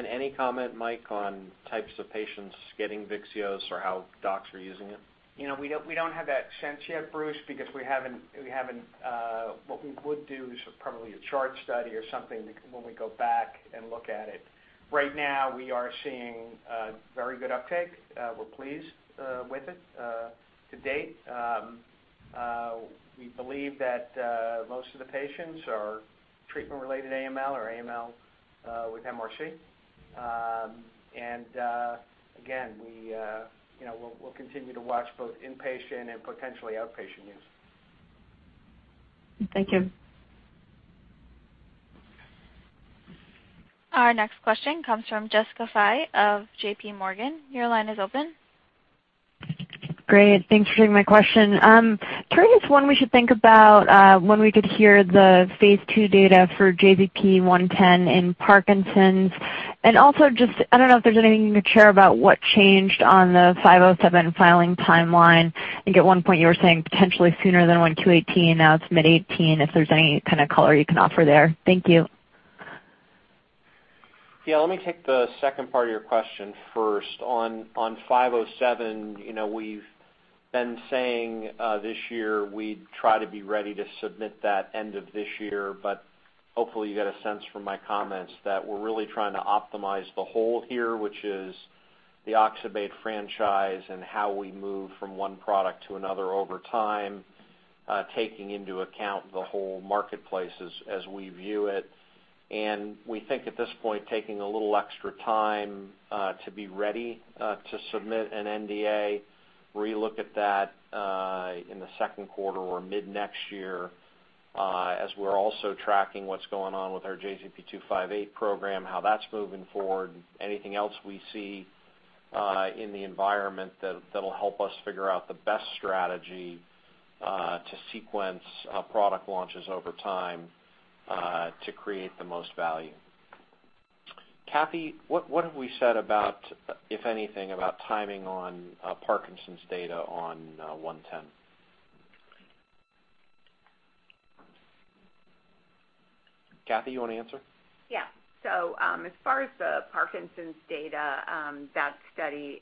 Any comment, Mike, on types of patients getting VYXEOS or how docs are using it? You know, we don't have that sense yet, Bruce, because we haven't. What we would do is probably a chart study or something when we go back and look at it. Right now, we are seeing very good uptake. We're pleased with it to date. We believe that most of the patients are treatment-related AML or AML-MRC. You know, we'll continue to watch both inpatient and potentially outpatient use. Thank you. Our next question comes from Jessica Fye of JPMorgan. Your line is open. Great. Thanks for taking my question. Curious when we should think about, when we could hear the phase II data for JZP-110 in Parkinson's? Also just, I don't know if there's anything you can share about what changed on the JZP-507 filing timeline. I think at one point you were saying potentially sooner than 2018, now it's mid-2018, if there's any kind of color you can offer there. Thank you. Yeah, let me take the second part of your question first. On JZP-507, you know, we've been saying this year we'd try to be ready to submit that end of this year, but hopefully you get a sense from my comments that we're really trying to optimize the whole here, which is the oxybate franchise and how we move from one product to another over time, taking into account the whole marketplace as we view it. We think at this point, taking a little extra time, to be ready, to submit an NDA, relook at that, in the second quarter or mid-next year, as we're also tracking what's going on with our JZP-258 program, how that's moving forward, anything else we see, in the environment that'll help us figure out the best strategy, to sequence, product launches over time, to create the most value. Kathy, what have we said about, if anything, about timing on, Parkinson's data on 110? Kathy, you wanna answer? Yeah. As far as the Parkinson's data, that study,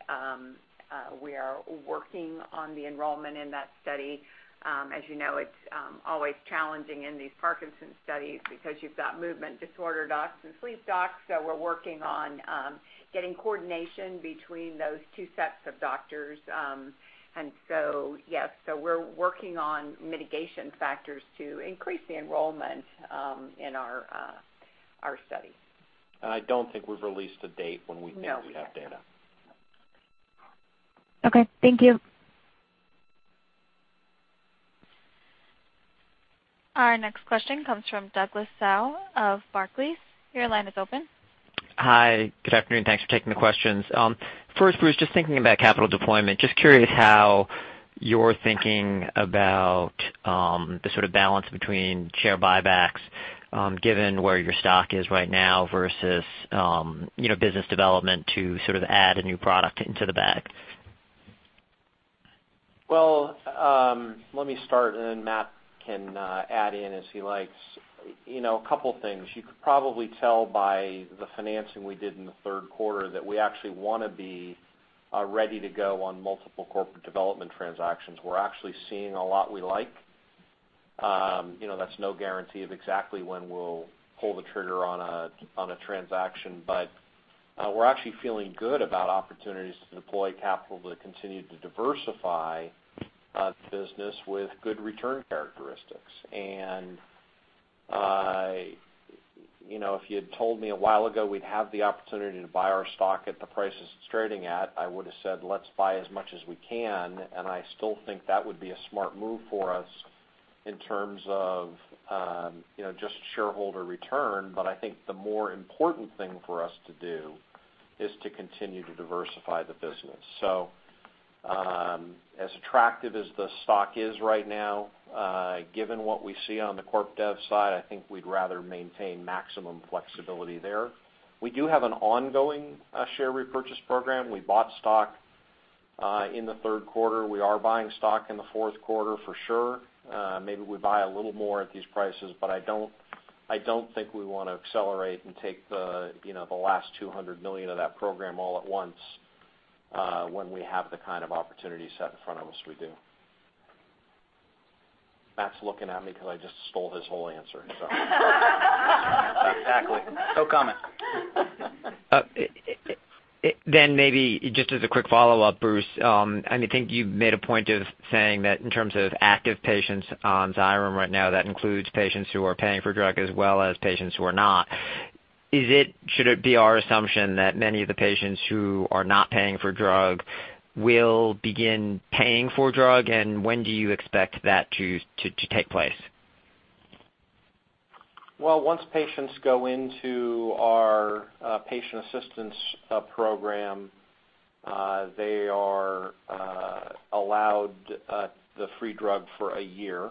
we are working on the enrollment in that study. As you know, it's always challenging in these Parkinson's studies because you've got movement disorder docs and sleep docs, so we're working on getting coordination between those two sets of doctors. Yes, we're working on mitigation factors to increase the enrollment in our study. I don't think we've released a date when we think. No we have data. Okay. Thank you. Our next question comes from Douglas Tsao of Barclays. Your line is open. Hi. Good afternoon. Thanks for taking the questions. First, Bruce, just thinking about capital deployment, just curious how you're thinking about the sort of balance between share buybacks, given where your stock is right now versus, you know, business development to sort of add a new product into the bag. Well, let me start and then Matt can add in as he likes. You know, a couple things. You could probably tell by the financing we did in the third quarter that we actually wanna be ready to go on multiple corporate development transactions. We're actually seeing a lot we like. You know, that's no guarantee of exactly when we'll pull the trigger on a transaction, but we're actually feeling good about opportunities to deploy capital to continue to diversify the business with good return characteristics. You know, if you'd told me a while ago we'd have the opportunity to buy our stock at the price it's trading at, I would have said, "Let's buy as much as we can." I still think that would be a smart move for us in terms of, you know, just shareholder return. I think the more important thing for us to do is to continue to diversify the business. As attractive as the stock is right now, given what we see on the corp dev side, I think we'd rather maintain maximum flexibility there. We do have an ongoing share repurchase program. We bought stock in the third quarter. We are buying stock in the fourth quarter for sure. Maybe we buy a little more at these prices, but I don't think we wanna accelerate and take the, you know, the last $200 million of that program all at once, when we have the kind of opportunity set in front of us we do. Matt's looking at me 'cause I just stole his whole answer. Exactly. No comment. Maybe just as a quick follow-up, Bruce, and I think you made a point of saying that in terms of active patients on XYREM right now, that includes patients who are paying for drug as well as patients who are not. Should it be our assumption that many of the patients who are not paying for drug will begin paying for drug, and when do you expect that to take place? Well, once patients go into our patient assistance program, they are allowed the free drug for a year.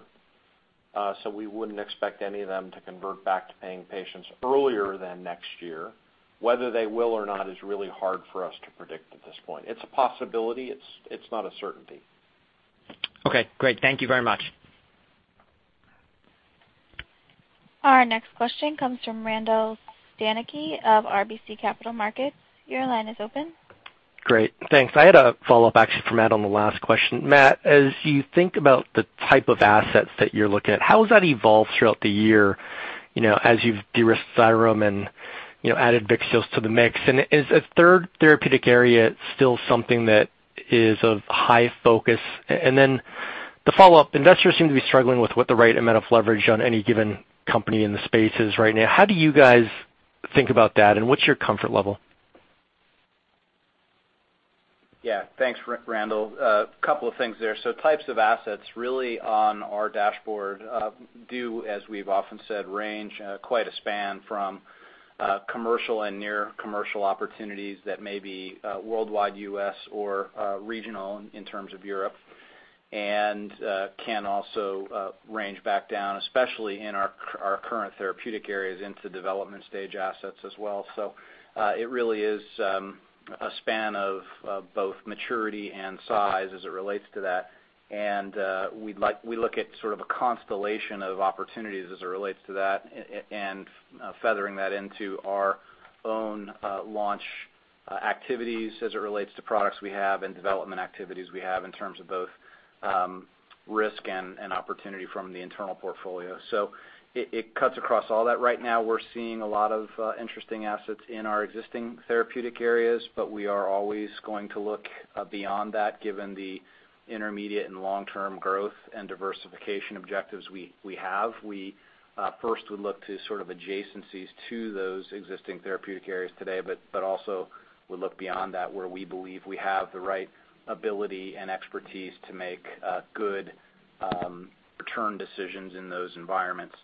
We wouldn't expect any of them to convert back to paying patients earlier than next year. Whether they will or not is really hard for us to predict at this point. It's a possibility. It's not a certainty. Okay, great. Thank you very much. Our next question comes from Randall Stanicky of RBC Capital Markets. Your line is open. Great. Thanks. I had a follow-up actually for Matt on the last question. Matt, as you think about the type of assets that you're looking at, how has that evolved throughout the year, you know, as you've de-risked XYREM and, you know, added VYXEOS to the mix? And is a third therapeutic area still something that is of high focus? And then the follow-up, investors seem to be struggling with what the right amount of leverage on any given company in the space is right now. How do you guys think about that, and what's your comfort level? Yeah. Thanks, Randall. A couple of things there. Types of assets really on our dashboard do, as we've often said, range quite a span from commercial and near commercial opportunities that may be worldwide, U.S. or regional in terms of Europe. Can also range back down, especially in our current therapeutic areas, into development stage assets as well. It really is a span of both maturity and size as it relates to that. We look at sort of a constellation of opportunities as it relates to that and feathering that into our own launch activities as it relates to products we have and development activities we have in terms of both risk and opportunity from the internal portfolio. It cuts across all that. Right now, we're seeing a lot of interesting assets in our existing therapeutic areas, but we are always going to look beyond that, given the intermediate and long-term growth and diversification objectives we have. We first would look to sort of adjacencies to those existing therapeutic areas today, but also would look beyond that where we believe we have the right ability and expertise to make good return decisions in those environments.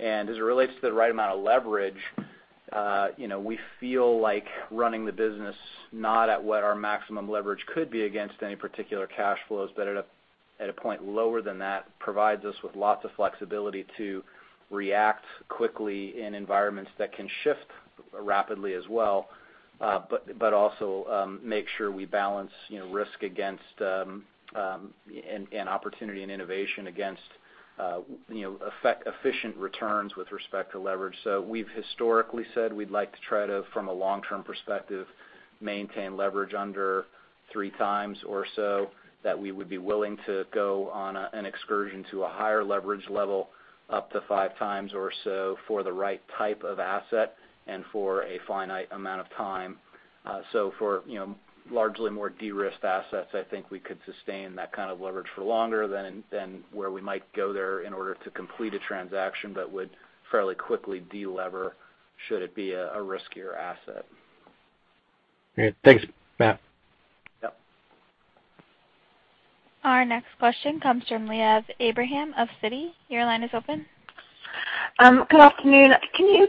As it relates to the right amount of leverage, you know, we feel like running the business not at what our maximum leverage could be against any particular cash flows, but at a point lower than that provides us with lots of flexibility to react quickly in environments that can shift rapidly as well, but also make sure we balance, you know, risk against and opportunity and innovation against, you know, efficient returns with respect to leverage. We've historically said we'd like to try to, from a long-term perspective, maintain leverage under 3x or so, that we would be willing to go on an excursion to a higher leverage level up to 5x or so for the right type of asset and for a finite amount of time. For, you know, largely more de-risked assets, I think we could sustain that kind of leverage for longer than where we might go there in order to complete a transaction, but would fairly quickly de-lever should it be a riskier asset. Great. Thanks, Matt. Yep. Our next question comes from Liav Abraham of Citi. Your line is open. Good afternoon. Can you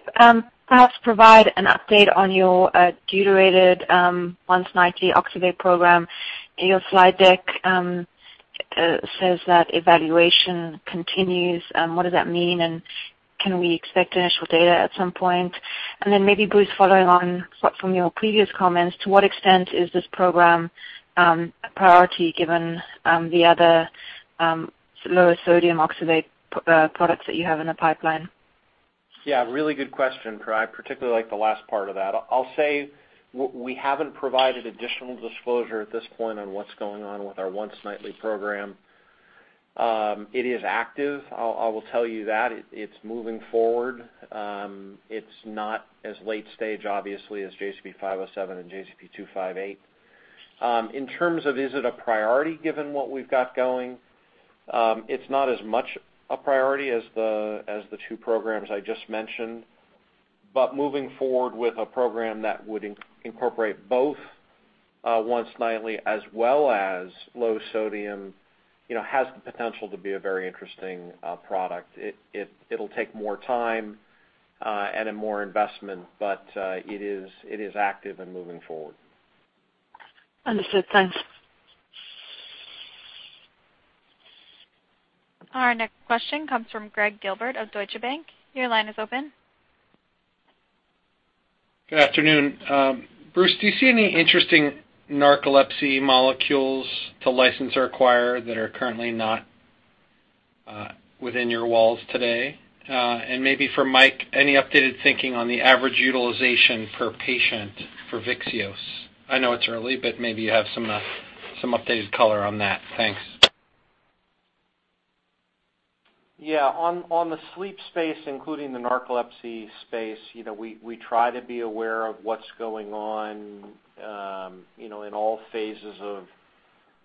perhaps provide an update on your deuterated once-nightly oxybate program? Your slide deck says that evaluation continues. What does that mean, and can we expect initial data at some point? Then maybe, Bruce, following on from your previous comments, to what extent is this program a priority given the other low sodium oxybate products that you have in the pipeline? Yeah, really good question. I particularly like the last part of that. I'll say we haven't provided additional disclosure at this point on what's going on with our once-nightly program. It is active. I will tell you that. It's moving forward. It's not as late stage, obviously, as JZP-507 and JZP-258. In terms of is it a priority given what we've got going, it's not as much a priority as the two programs I just mentioned. Moving forward with a program that would incorporate both once-nightly as well as low sodium, you know, has the potential to be a very interesting product. It'll take more time and then more investment, but it is active and moving forward. Understood. Thanks. Our next question comes from Gregg Gilbert of Deutsche Bank. Your line is open. Good afternoon. Bruce, do you see any interesting narcolepsy molecules to license or acquire that are currently not within your walls today? Maybe for Mike, any updated thinking on the average utilization per patient for VYXEOS? I know it's early, but maybe you have some updated color on that. Thanks. Yeah. On the sleep space, including the narcolepsy space, you know, we try to be aware of what's going on, you know, in all phases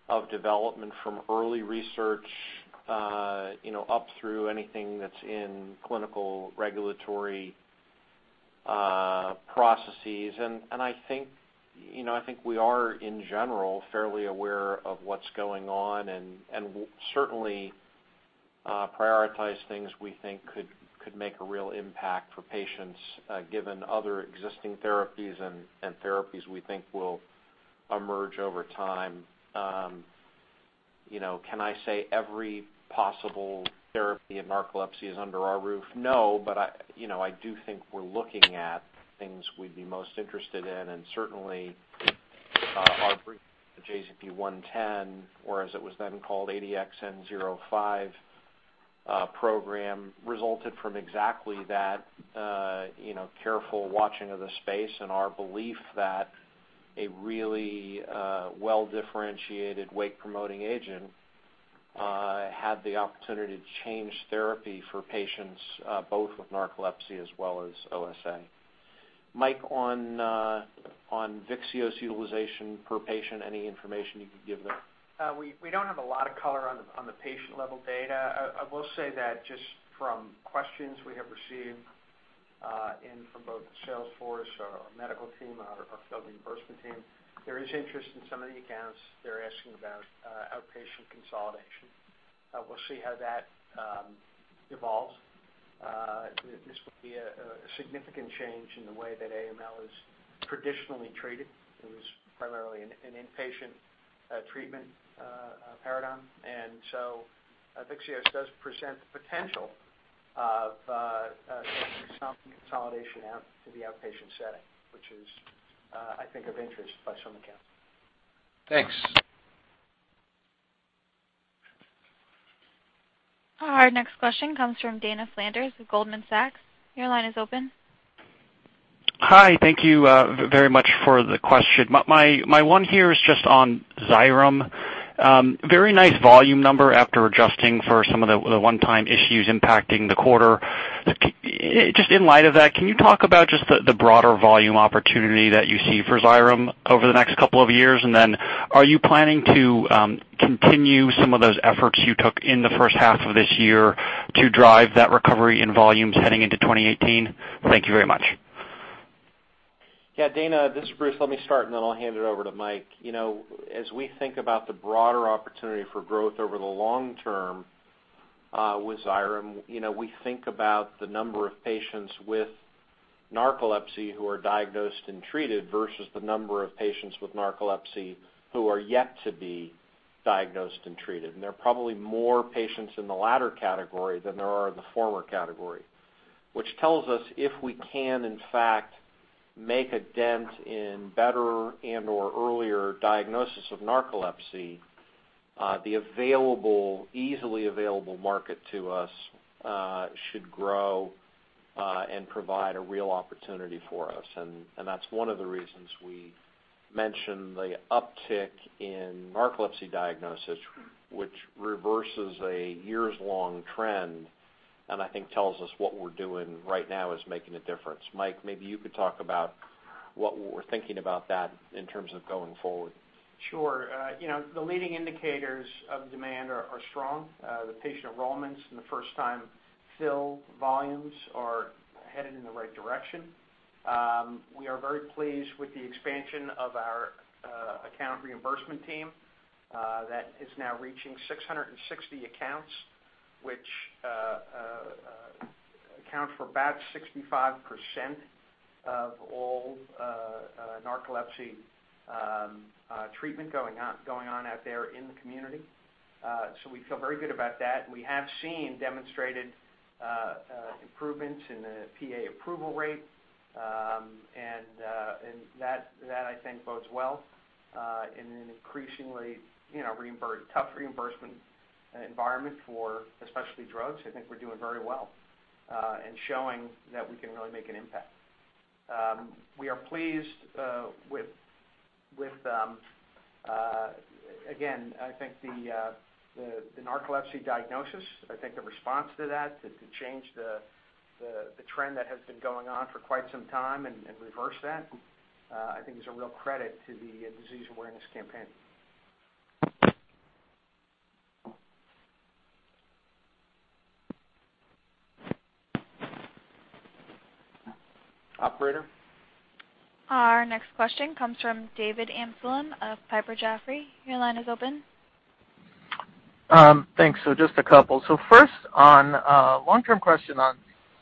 of development from early research, you know, up through anything that's in clinical and regulatory processes. I think, you know, I think we are, in general, fairly aware of what's going on and certainly prioritize things we think could make a real impact for patients, given other existing therapies and therapies we think will emerge over time. You know, can I say every possible therapy of narcolepsy is under our roof? No. I you know, I do think we're looking at things we'd be most interested in. Certainly, our brief JZP-110, or as it was then called, ADX-N05, program resulted from exactly that, you know, careful watching of the space and our belief that a really, well-differentiated wake-promoting agent had the opportunity to change therapy for patients, both with narcolepsy as well as OSA. Mike, on VYXEOS utilization per patient, any information you could give there? We don't have a lot of color on the patient level data. I will say that just from questions we have received from both the sales force and our medical team, our field reimbursement team, there is interest in some of the accounts. They're asking about outpatient consolidation. We'll see how that evolves. This would be a significant change in the way that AML is traditionally treated. It was primarily an inpatient treatment paradigm. VYXEOS does present the potential of some consolidation out to the outpatient setting, which is, I think, of interest to some accounts. Thanks. Our next question comes from Dana Flanders with Goldman Sachs. Your line is open. Hi. Thank you, very much for the question. My one here is just on XYREM. Very nice volume number after adjusting for some of the one-time issues impacting the quarter. Just in light of that, can you talk about just the broader volume opportunity that you see for XYREM over the next couple of years? Are you planning to continue some of those efforts you took in the first half of this year to drive that recovery in volumes heading into 2018? Thank you very much. Yeah, Dana, this is Bruce. Let me start, and then I'll hand it over to Mike. You know, as we think about the broader opportunity for growth over the long-term with XYREM, you know, we think about the number of patients with narcolepsy who are diagnosed and treated versus the number of patients with narcolepsy who are yet to be diagnosed and treated. There are probably more patients in the latter category than there are in the former category, which tells us if we can, in fact, make a dent in better and/or earlier diagnosis of narcolepsy, the available, easily available market to us should grow and provide a real opportunity for us. That's one of the reasons we mentioned the uptick in narcolepsy diagnosis, which reverses a years-long trend, and I think tells us what we're doing right now is making a difference. Mike, maybe you could talk about what we're thinking about that in terms of going forward. Sure. You know, the leading indicators of demand are strong. The patient enrollments and the first-time fill volumes are headed in the right direction. We are very pleased with the expansion of our account reimbursement team that is now reaching 660 accounts, which accounts for about 65% of all narcolepsy treatment going on out there in the community. We feel very good about that. We have seen demonstrated improvements in the PA approval rate and that I think bodes well in an increasingly tough reimbursement environment for specialty drugs. I think we're doing very well in showing that we can really make an impact. We are pleased with again, I think the narcolepsy diagnosis. I think the response to that to change the trend that has been going on for quite some time and reverse that, I think is a real credit to the disease awareness campaign. Operator? Our next question comes from David Amsellem of Piper Jaffray. Your line is open. Thanks. Just a couple. First on long-term question on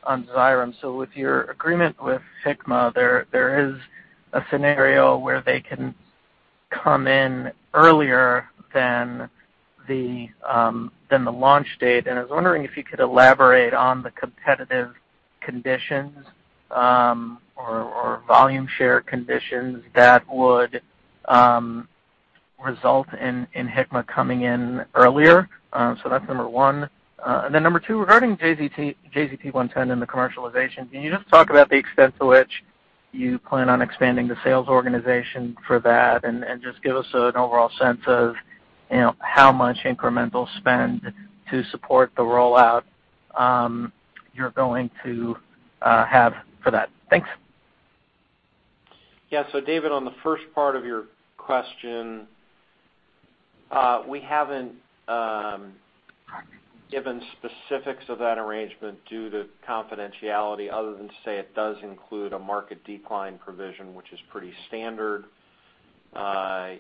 XYREM. With your agreement with Hikma, there is a scenario where they can come in earlier than the launch date. I was wondering if you could elaborate on the competitive conditions or volume share conditions that would result in Hikma coming in earlier. That's number one. Then number two, regarding JZP-110 and the commercialization, can you just talk about the extent to which you plan on expanding the sales organization for that? Just give us an overall sense of, you know, how much incremental spend to support the rollout you're going to have for that. Thanks. Yeah. David, on the first part of your question, we haven't given specifics of that arrangement due to confidentiality other than to say it does include a market decline provision, which is pretty standard.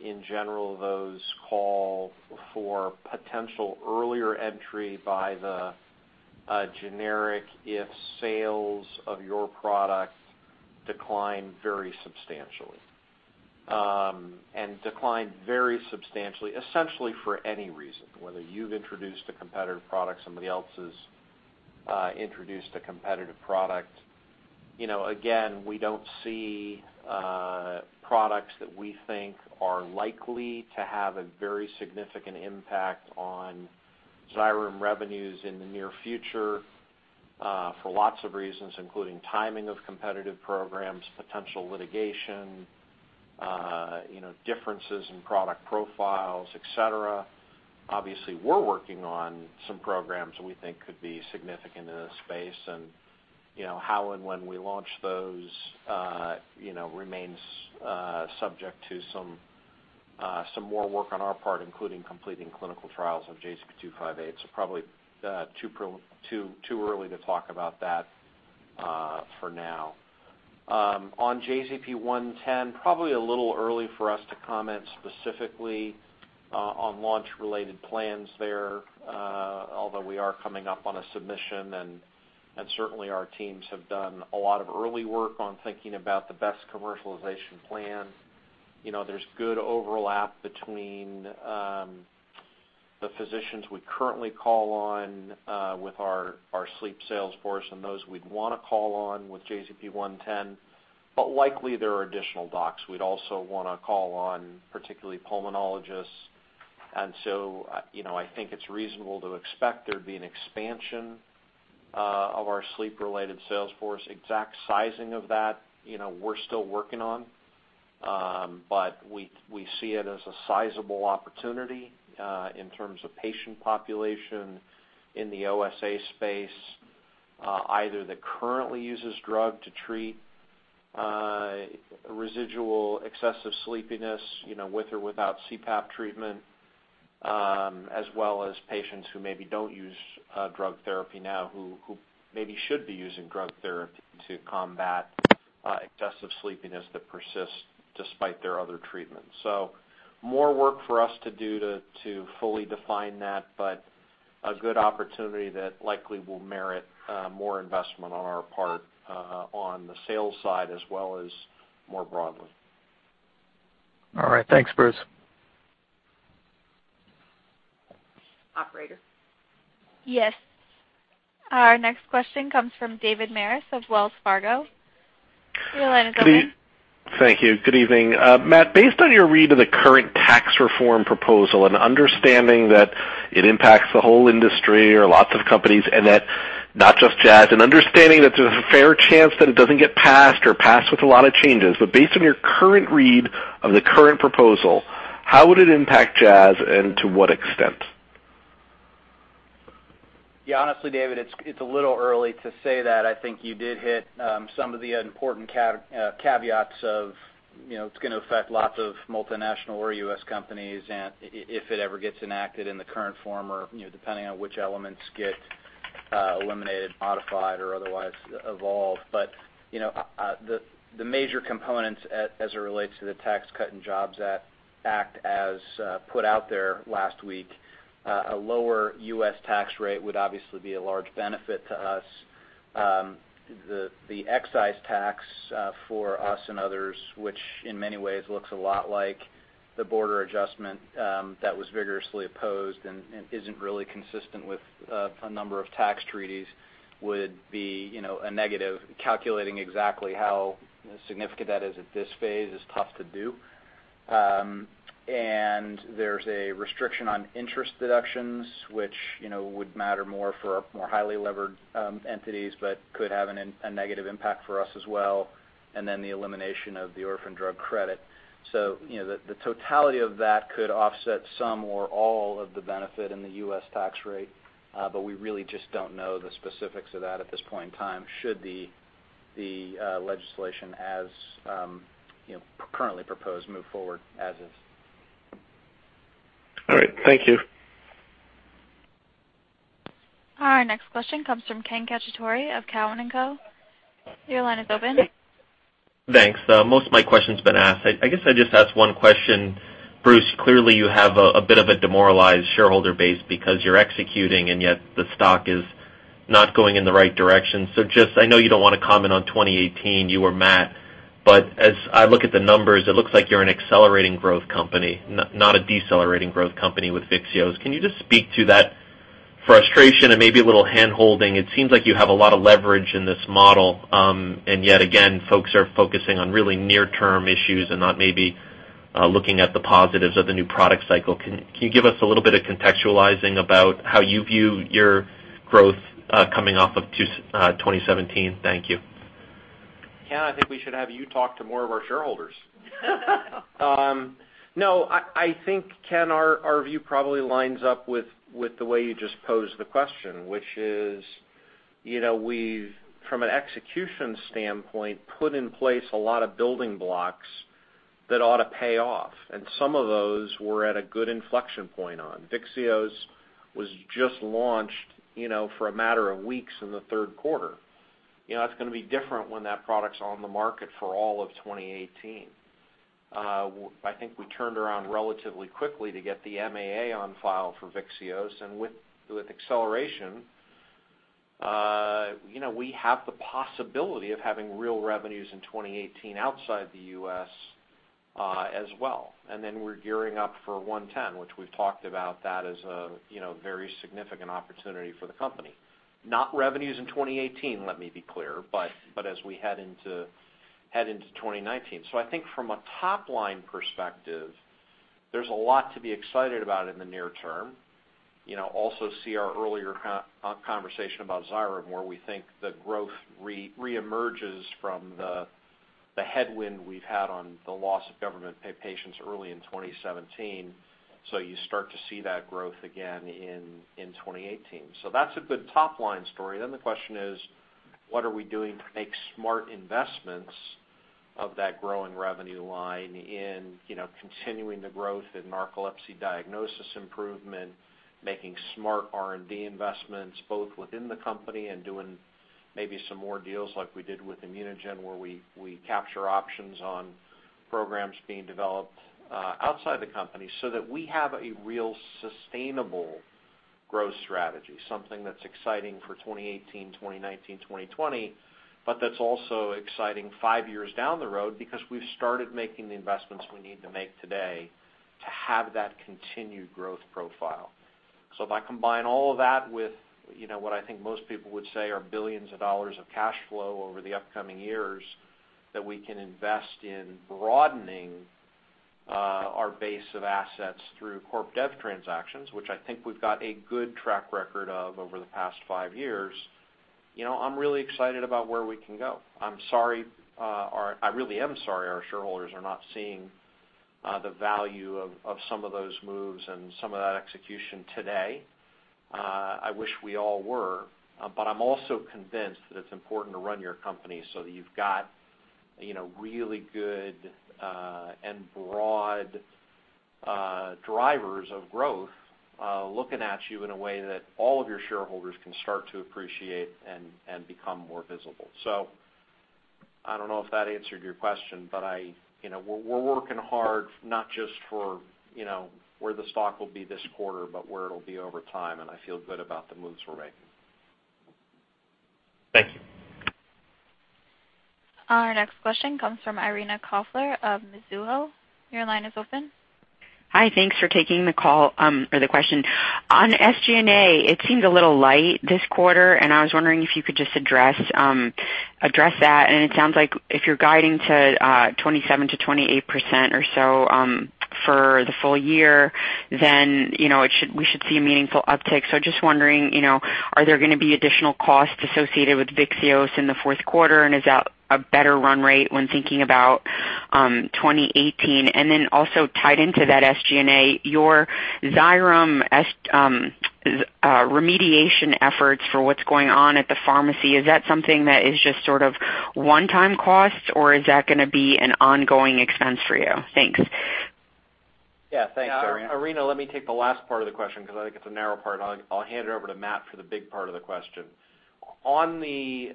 In general, those call for potential earlier entry by the generic if sales of your product decline very substantially. And decline very substantially, essentially for any reason, whether you've introduced a competitor product, somebody else has introduced a competitive product. You know, again, we don't see products that we think are likely to have a very significant impact on XYREM revenues in the near future, for lots of reasons, including timing of competitive programs, potential litigation, you know, differences in product profiles, et cetera. Obviously, we're working on some programs that we think could be significant in this space. You know, how and when we launch those remains subject to some more work on our part, including completing clinical trials of JZP-258. Probably too early to talk about that for now. On JZP-110, probably a little early for us to comment specifically on launch-related plans there, although we are coming up on a submission, and certainly our teams have done a lot of early work on thinking about the best commercialization plan. You know, there's good overlap between the physicians we currently call on with our sleep sales force and those we'd wanna call on with JZP-110. Likely, there are additional docs we'd also wanna call on, particularly pulmonologists. You know, I think it's reasonable to expect there'd be an expansion of our sleep-related sales force. Exact sizing of that, you know, we're still working on. We see it as a sizable opportunity in terms of patient population in the OSA space, either that currently uses drug to treat residual excessive sleepiness, you know, with or without CPAP treatment, as well as patients who maybe don't use drug therapy now who maybe should be using drug therapy to combat excessive sleepiness that persists despite their other treatments. More work for us to do to fully define that, but a good opportunity that likely will merit more investment on our part on the sales side as well as more broadly. All right. Thanks, Bruce. Operator? Yes. Our next question comes from David Maris of Wells Fargo. Your line is open. Thank you. Good evening. Matt, based on your read of the current tax reform proposal and understanding that it impacts the whole industry or lots of companies and that it's not just Jazz and understanding that there's a fair chance that it doesn't get passed or passed with a lot of changes. Based on your current read of the current proposal, how would it impact Jazz and to what extent? Yeah. Honestly, David, it's a little early to say that. I think you did hit some of the important caveats of, you know, it's gonna affect lots of multinational or U.S. companies and if it ever gets enacted in the current form or, you know, depending on which elements get eliminated, modified or otherwise evolved. You know, the major components as it relates to the Tax Cuts and Jobs Act as put out there last week, a lower U.S. tax rate would obviously be a large benefit to us. The excise tax for us and others, which in many ways looks a lot like the border adjustment that was vigorously opposed and isn't really consistent with a number of tax treaties, would be, you know, a negative. Calculating exactly how significant that is at this phase is tough to do. There's a restriction on interest deductions, which, you know, would matter more for more highly levered entities, but could have a negative impact for us as well, and then the elimination of the orphan drug credit. You know, the totality of that could offset some or all of the benefit in the U.S. tax rate, but we really just don't know the specifics of that at this point in time, should the legislation as you know, currently proposed move forward as is. All right. Thank you. Our next question comes from Ken Cacciatore of Cowen and Co. Your line is open. Thanks. Most of my question's been asked. I guess I'd just ask one question. Bruce, clearly you have a bit of a demoralized shareholder base because you're executing and yet the stock is not going in the right direction. Just, I know you don't wanna comment on 2018, you or Matt, but as I look at the numbers, it looks like you're an accelerating growth company, not a decelerating growth company with VYXEOS. Can you just speak to that frustration and maybe a little handholding? It seems like you have a lot of leverage in this model, and yet again, folks are focusing on really near-term issues and not maybe looking at the positives of the new product cycle. Can you give us a little bit of contextualizing about how you view your growth coming off of 2017? Thank you. Ken, I think we should have you talk to more of our shareholders. No, I think, Ken, our view probably lines up with the way you just posed the question, which is, you know, we've from an execution standpoint put in place a lot of building blocks that ought to pay off, and some of those we're at a good inflection point on. VYXEOS was just launched, you know, for a matter of weeks in the third quarter. You know, that's gonna be different when that product's on the market for all of 2018. I think we turned around relatively quickly to get the MAA on file for VYXEOS. With acceleration, you know, we have the possibility of having real revenues in 2018 outside the U.S., as well. We're gearing up for 110, which we've talked about as a, you know, very significant opportunity for the company. Not revenues in 2018, let me be clear, but as we head into 2019. I think from a top-line perspective, there's a lot to be excited about in the near term. You know, also see our earlier conversation about XYREM, where we think the growth reemerges from the headwind we've had on the loss of government payer patients early in 2017, so you start to see that growth again in 2018. That's a good top-line story. The question is: What are we doing to make smart investments of that growing revenue line in, you know, continuing the growth in narcolepsy diagnosis improvement, making smart R&D investments, both within the company and doing maybe some more deals like we did with ImmunoGen, where we capture options on programs being developed outside the company, so that we have a real sustainable growth strategy, something that's exciting for 2018, 2019, 2020, but that's also exciting five years down the road because we've started making the investments we need to make today to have that continued growth profile. If I combine all of that with, you know, what I think most people would say are billions of dollars of cash flow over the upcoming years that we can invest in broadening our base of assets through corp dev transactions, which I think we've got a good track record of over the past five years, you know, I'm really excited about where we can go. I'm sorry. I really am sorry our shareholders are not seeing the value of some of those moves and some of that execution today. I wish we all were. I'm also convinced that it's important to run your company so that you've got, you know, really good and broad drivers of growth looking at you in a way that all of your shareholders can start to appreciate and become more visible. I don't know if that answered your question, but I, you know, we're working hard not just for, you know, where the stock will be this quarter, but where it'll be over time, and I feel good about the moves we're making. Thank you. Our next question comes from Irina Koffler of Mizuho. Your line is open. Hi. Thanks for taking the call, or the question. On SG&A, it seemed a little light this quarter, and I was wondering if you could just address that. It sounds like if you're guiding to 27%-28% or so for the full year, then, you know, we should see a meaningful uptick. Just wondering, you know, are there gonna be additional costs associated with VYXEOS in the fourth quarter, and is that a better run rate when thinking about 2018? Then also tied into that SG&A, your XYREM remediation efforts for what's going on at the pharmacy, is that something that is just sort of one-time costs, or is that gonna be an ongoing expense for you? Thanks. Yeah. Thanks, Irina. Yeah. Irina, let me take the last part of the question 'cause I think it's a narrow part. I'll hand it over to Matt for the big part of the question. On the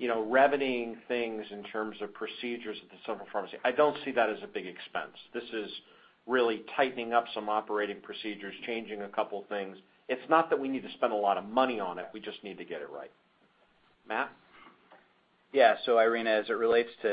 revenue and things in terms of procedures at the central pharmacy, I don't see that as a big expense. This is really tightening up some operating procedures, changing a couple things. It's not that we need to spend a lot of money on it. We just need to get it right. Matt? Yeah. Irina, as it relates to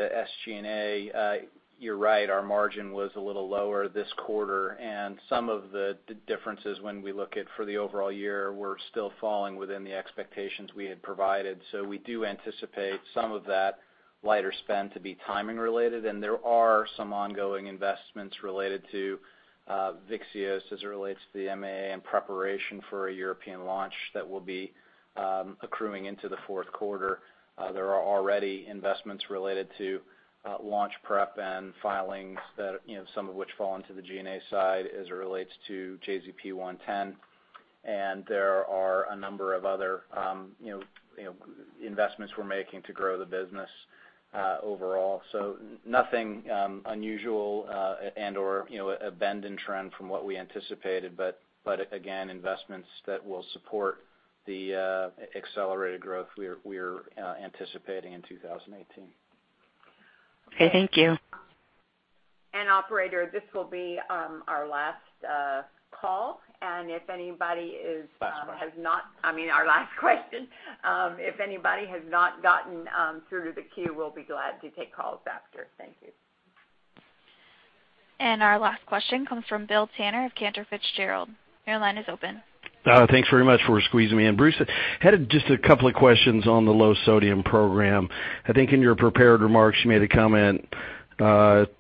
SG&A, you're right, our margin was a little lower this quarter, and some of the differences when we look at for the overall year were still falling within the expectations we had provided. We do anticipate some of that lighter spend to be timing related, and there are some ongoing investments related to VYXEOS as it relates to the MAA and preparation for a European launch that will be accruing into the fourth quarter. There are already investments related to launch prep and filings that, you know, some of which fall into the G&A side as it relates to JZP-110. There are a number of other, you know, investments we're making to grow the business overall. Nothing unusual and/or, you know, a bend in trend from what we anticipated, but again, investments that will support the accelerated growth we're anticipating in 2018. Okay. Thank you. Operator, this will be our last call, and if anybody is I mean, our If anybody has not gotten through to the queue, we'll be glad to take calls after. Thank you. Our last question comes from Bill Tanner of Cantor Fitzgerald. Your line is open. Thanks very much for squeezing me in. Bruce, I had just a couple of questions on the low sodium program. I think in your prepared remarks you made a comment,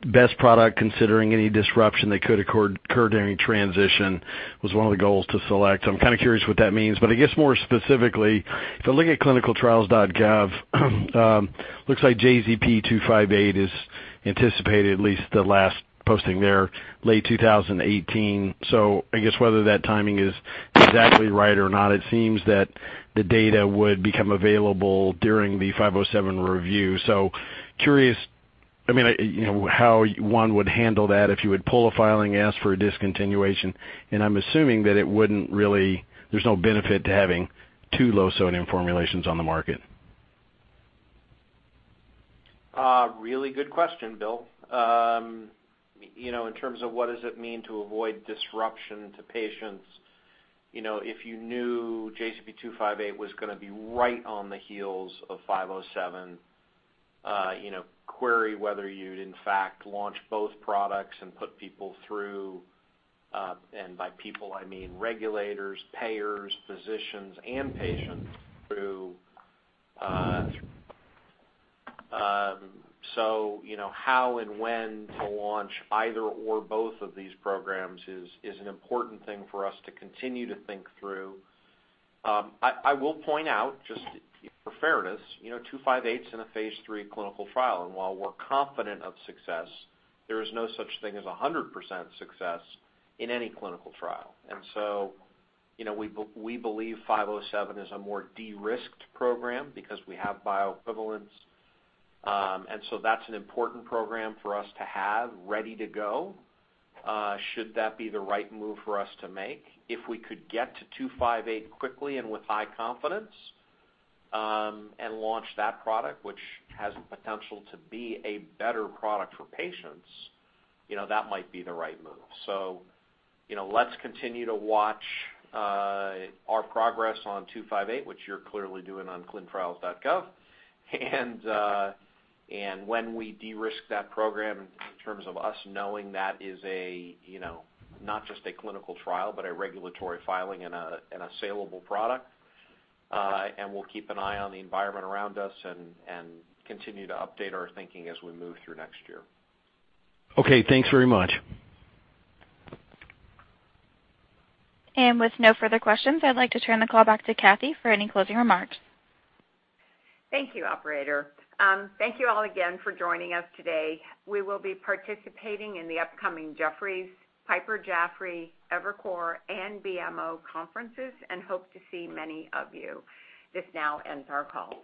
best product considering any disruption that could occur during transition was one of the goals to select. I'm kinda curious what that means. I guess more specifically, if I look at ClinicalTrials.gov, looks like JZP-258 is anticipated at least the last posting there, late 2018. I guess whether that timing is exactly right or not, it seems that the data would become available during the 507 review. Curious, I mean, you know, how one would handle that if you would pull a filing, ask for a discontinuation, and I'm assuming that it wouldn't really, there's no benefit to having two low sodium formulations on the market. Really good question, Bill. You know, in terms of what does it mean to avoid disruption to patients, you know, if you knew JZP-258 was gonna be right on the heels of JZP-507, you know, query whether you'd in fact launch both products and put people through, and by people I mean regulators, payers, physicians, and patients through. You know, how and when to launch either or both of these programs is an important thing for us to continue to think through. I will point out just for fairness, you know, JZP-258's in a phase III clinical trial, and while we're confident of success, there is no such thing as 100% success in any clinical trial. You know, we believe JZP-507 is a more de-risked program because we have bioequivalence. That's an important program for us to have ready to go, should that be the right move for us to make. If we could get to JZP-258 quickly and with high confidence, and launch that product, which has potential to be a better product for patients, you know, that might be the right move. You know, let's continue to watch our progress on JZP-258, which you're clearly doing on ClinicalTrials.gov. When we de-risk that program in terms of us knowing that is a, you know, not just a clinical trial, but a regulatory filing and a saleable product, and we'll keep an eye on the environment around us and continue to update our thinking as we move through next year. Okay. Thanks very much. With no further questions, I'd like to turn the call back to Kathy for any closing remarks. Thank you, operator. Thank you all again for joining us today. We will be participating in the upcoming Jefferies, Piper Jaffray, Evercore, and BMO conferences, and hope to see many of you. This now ends our call.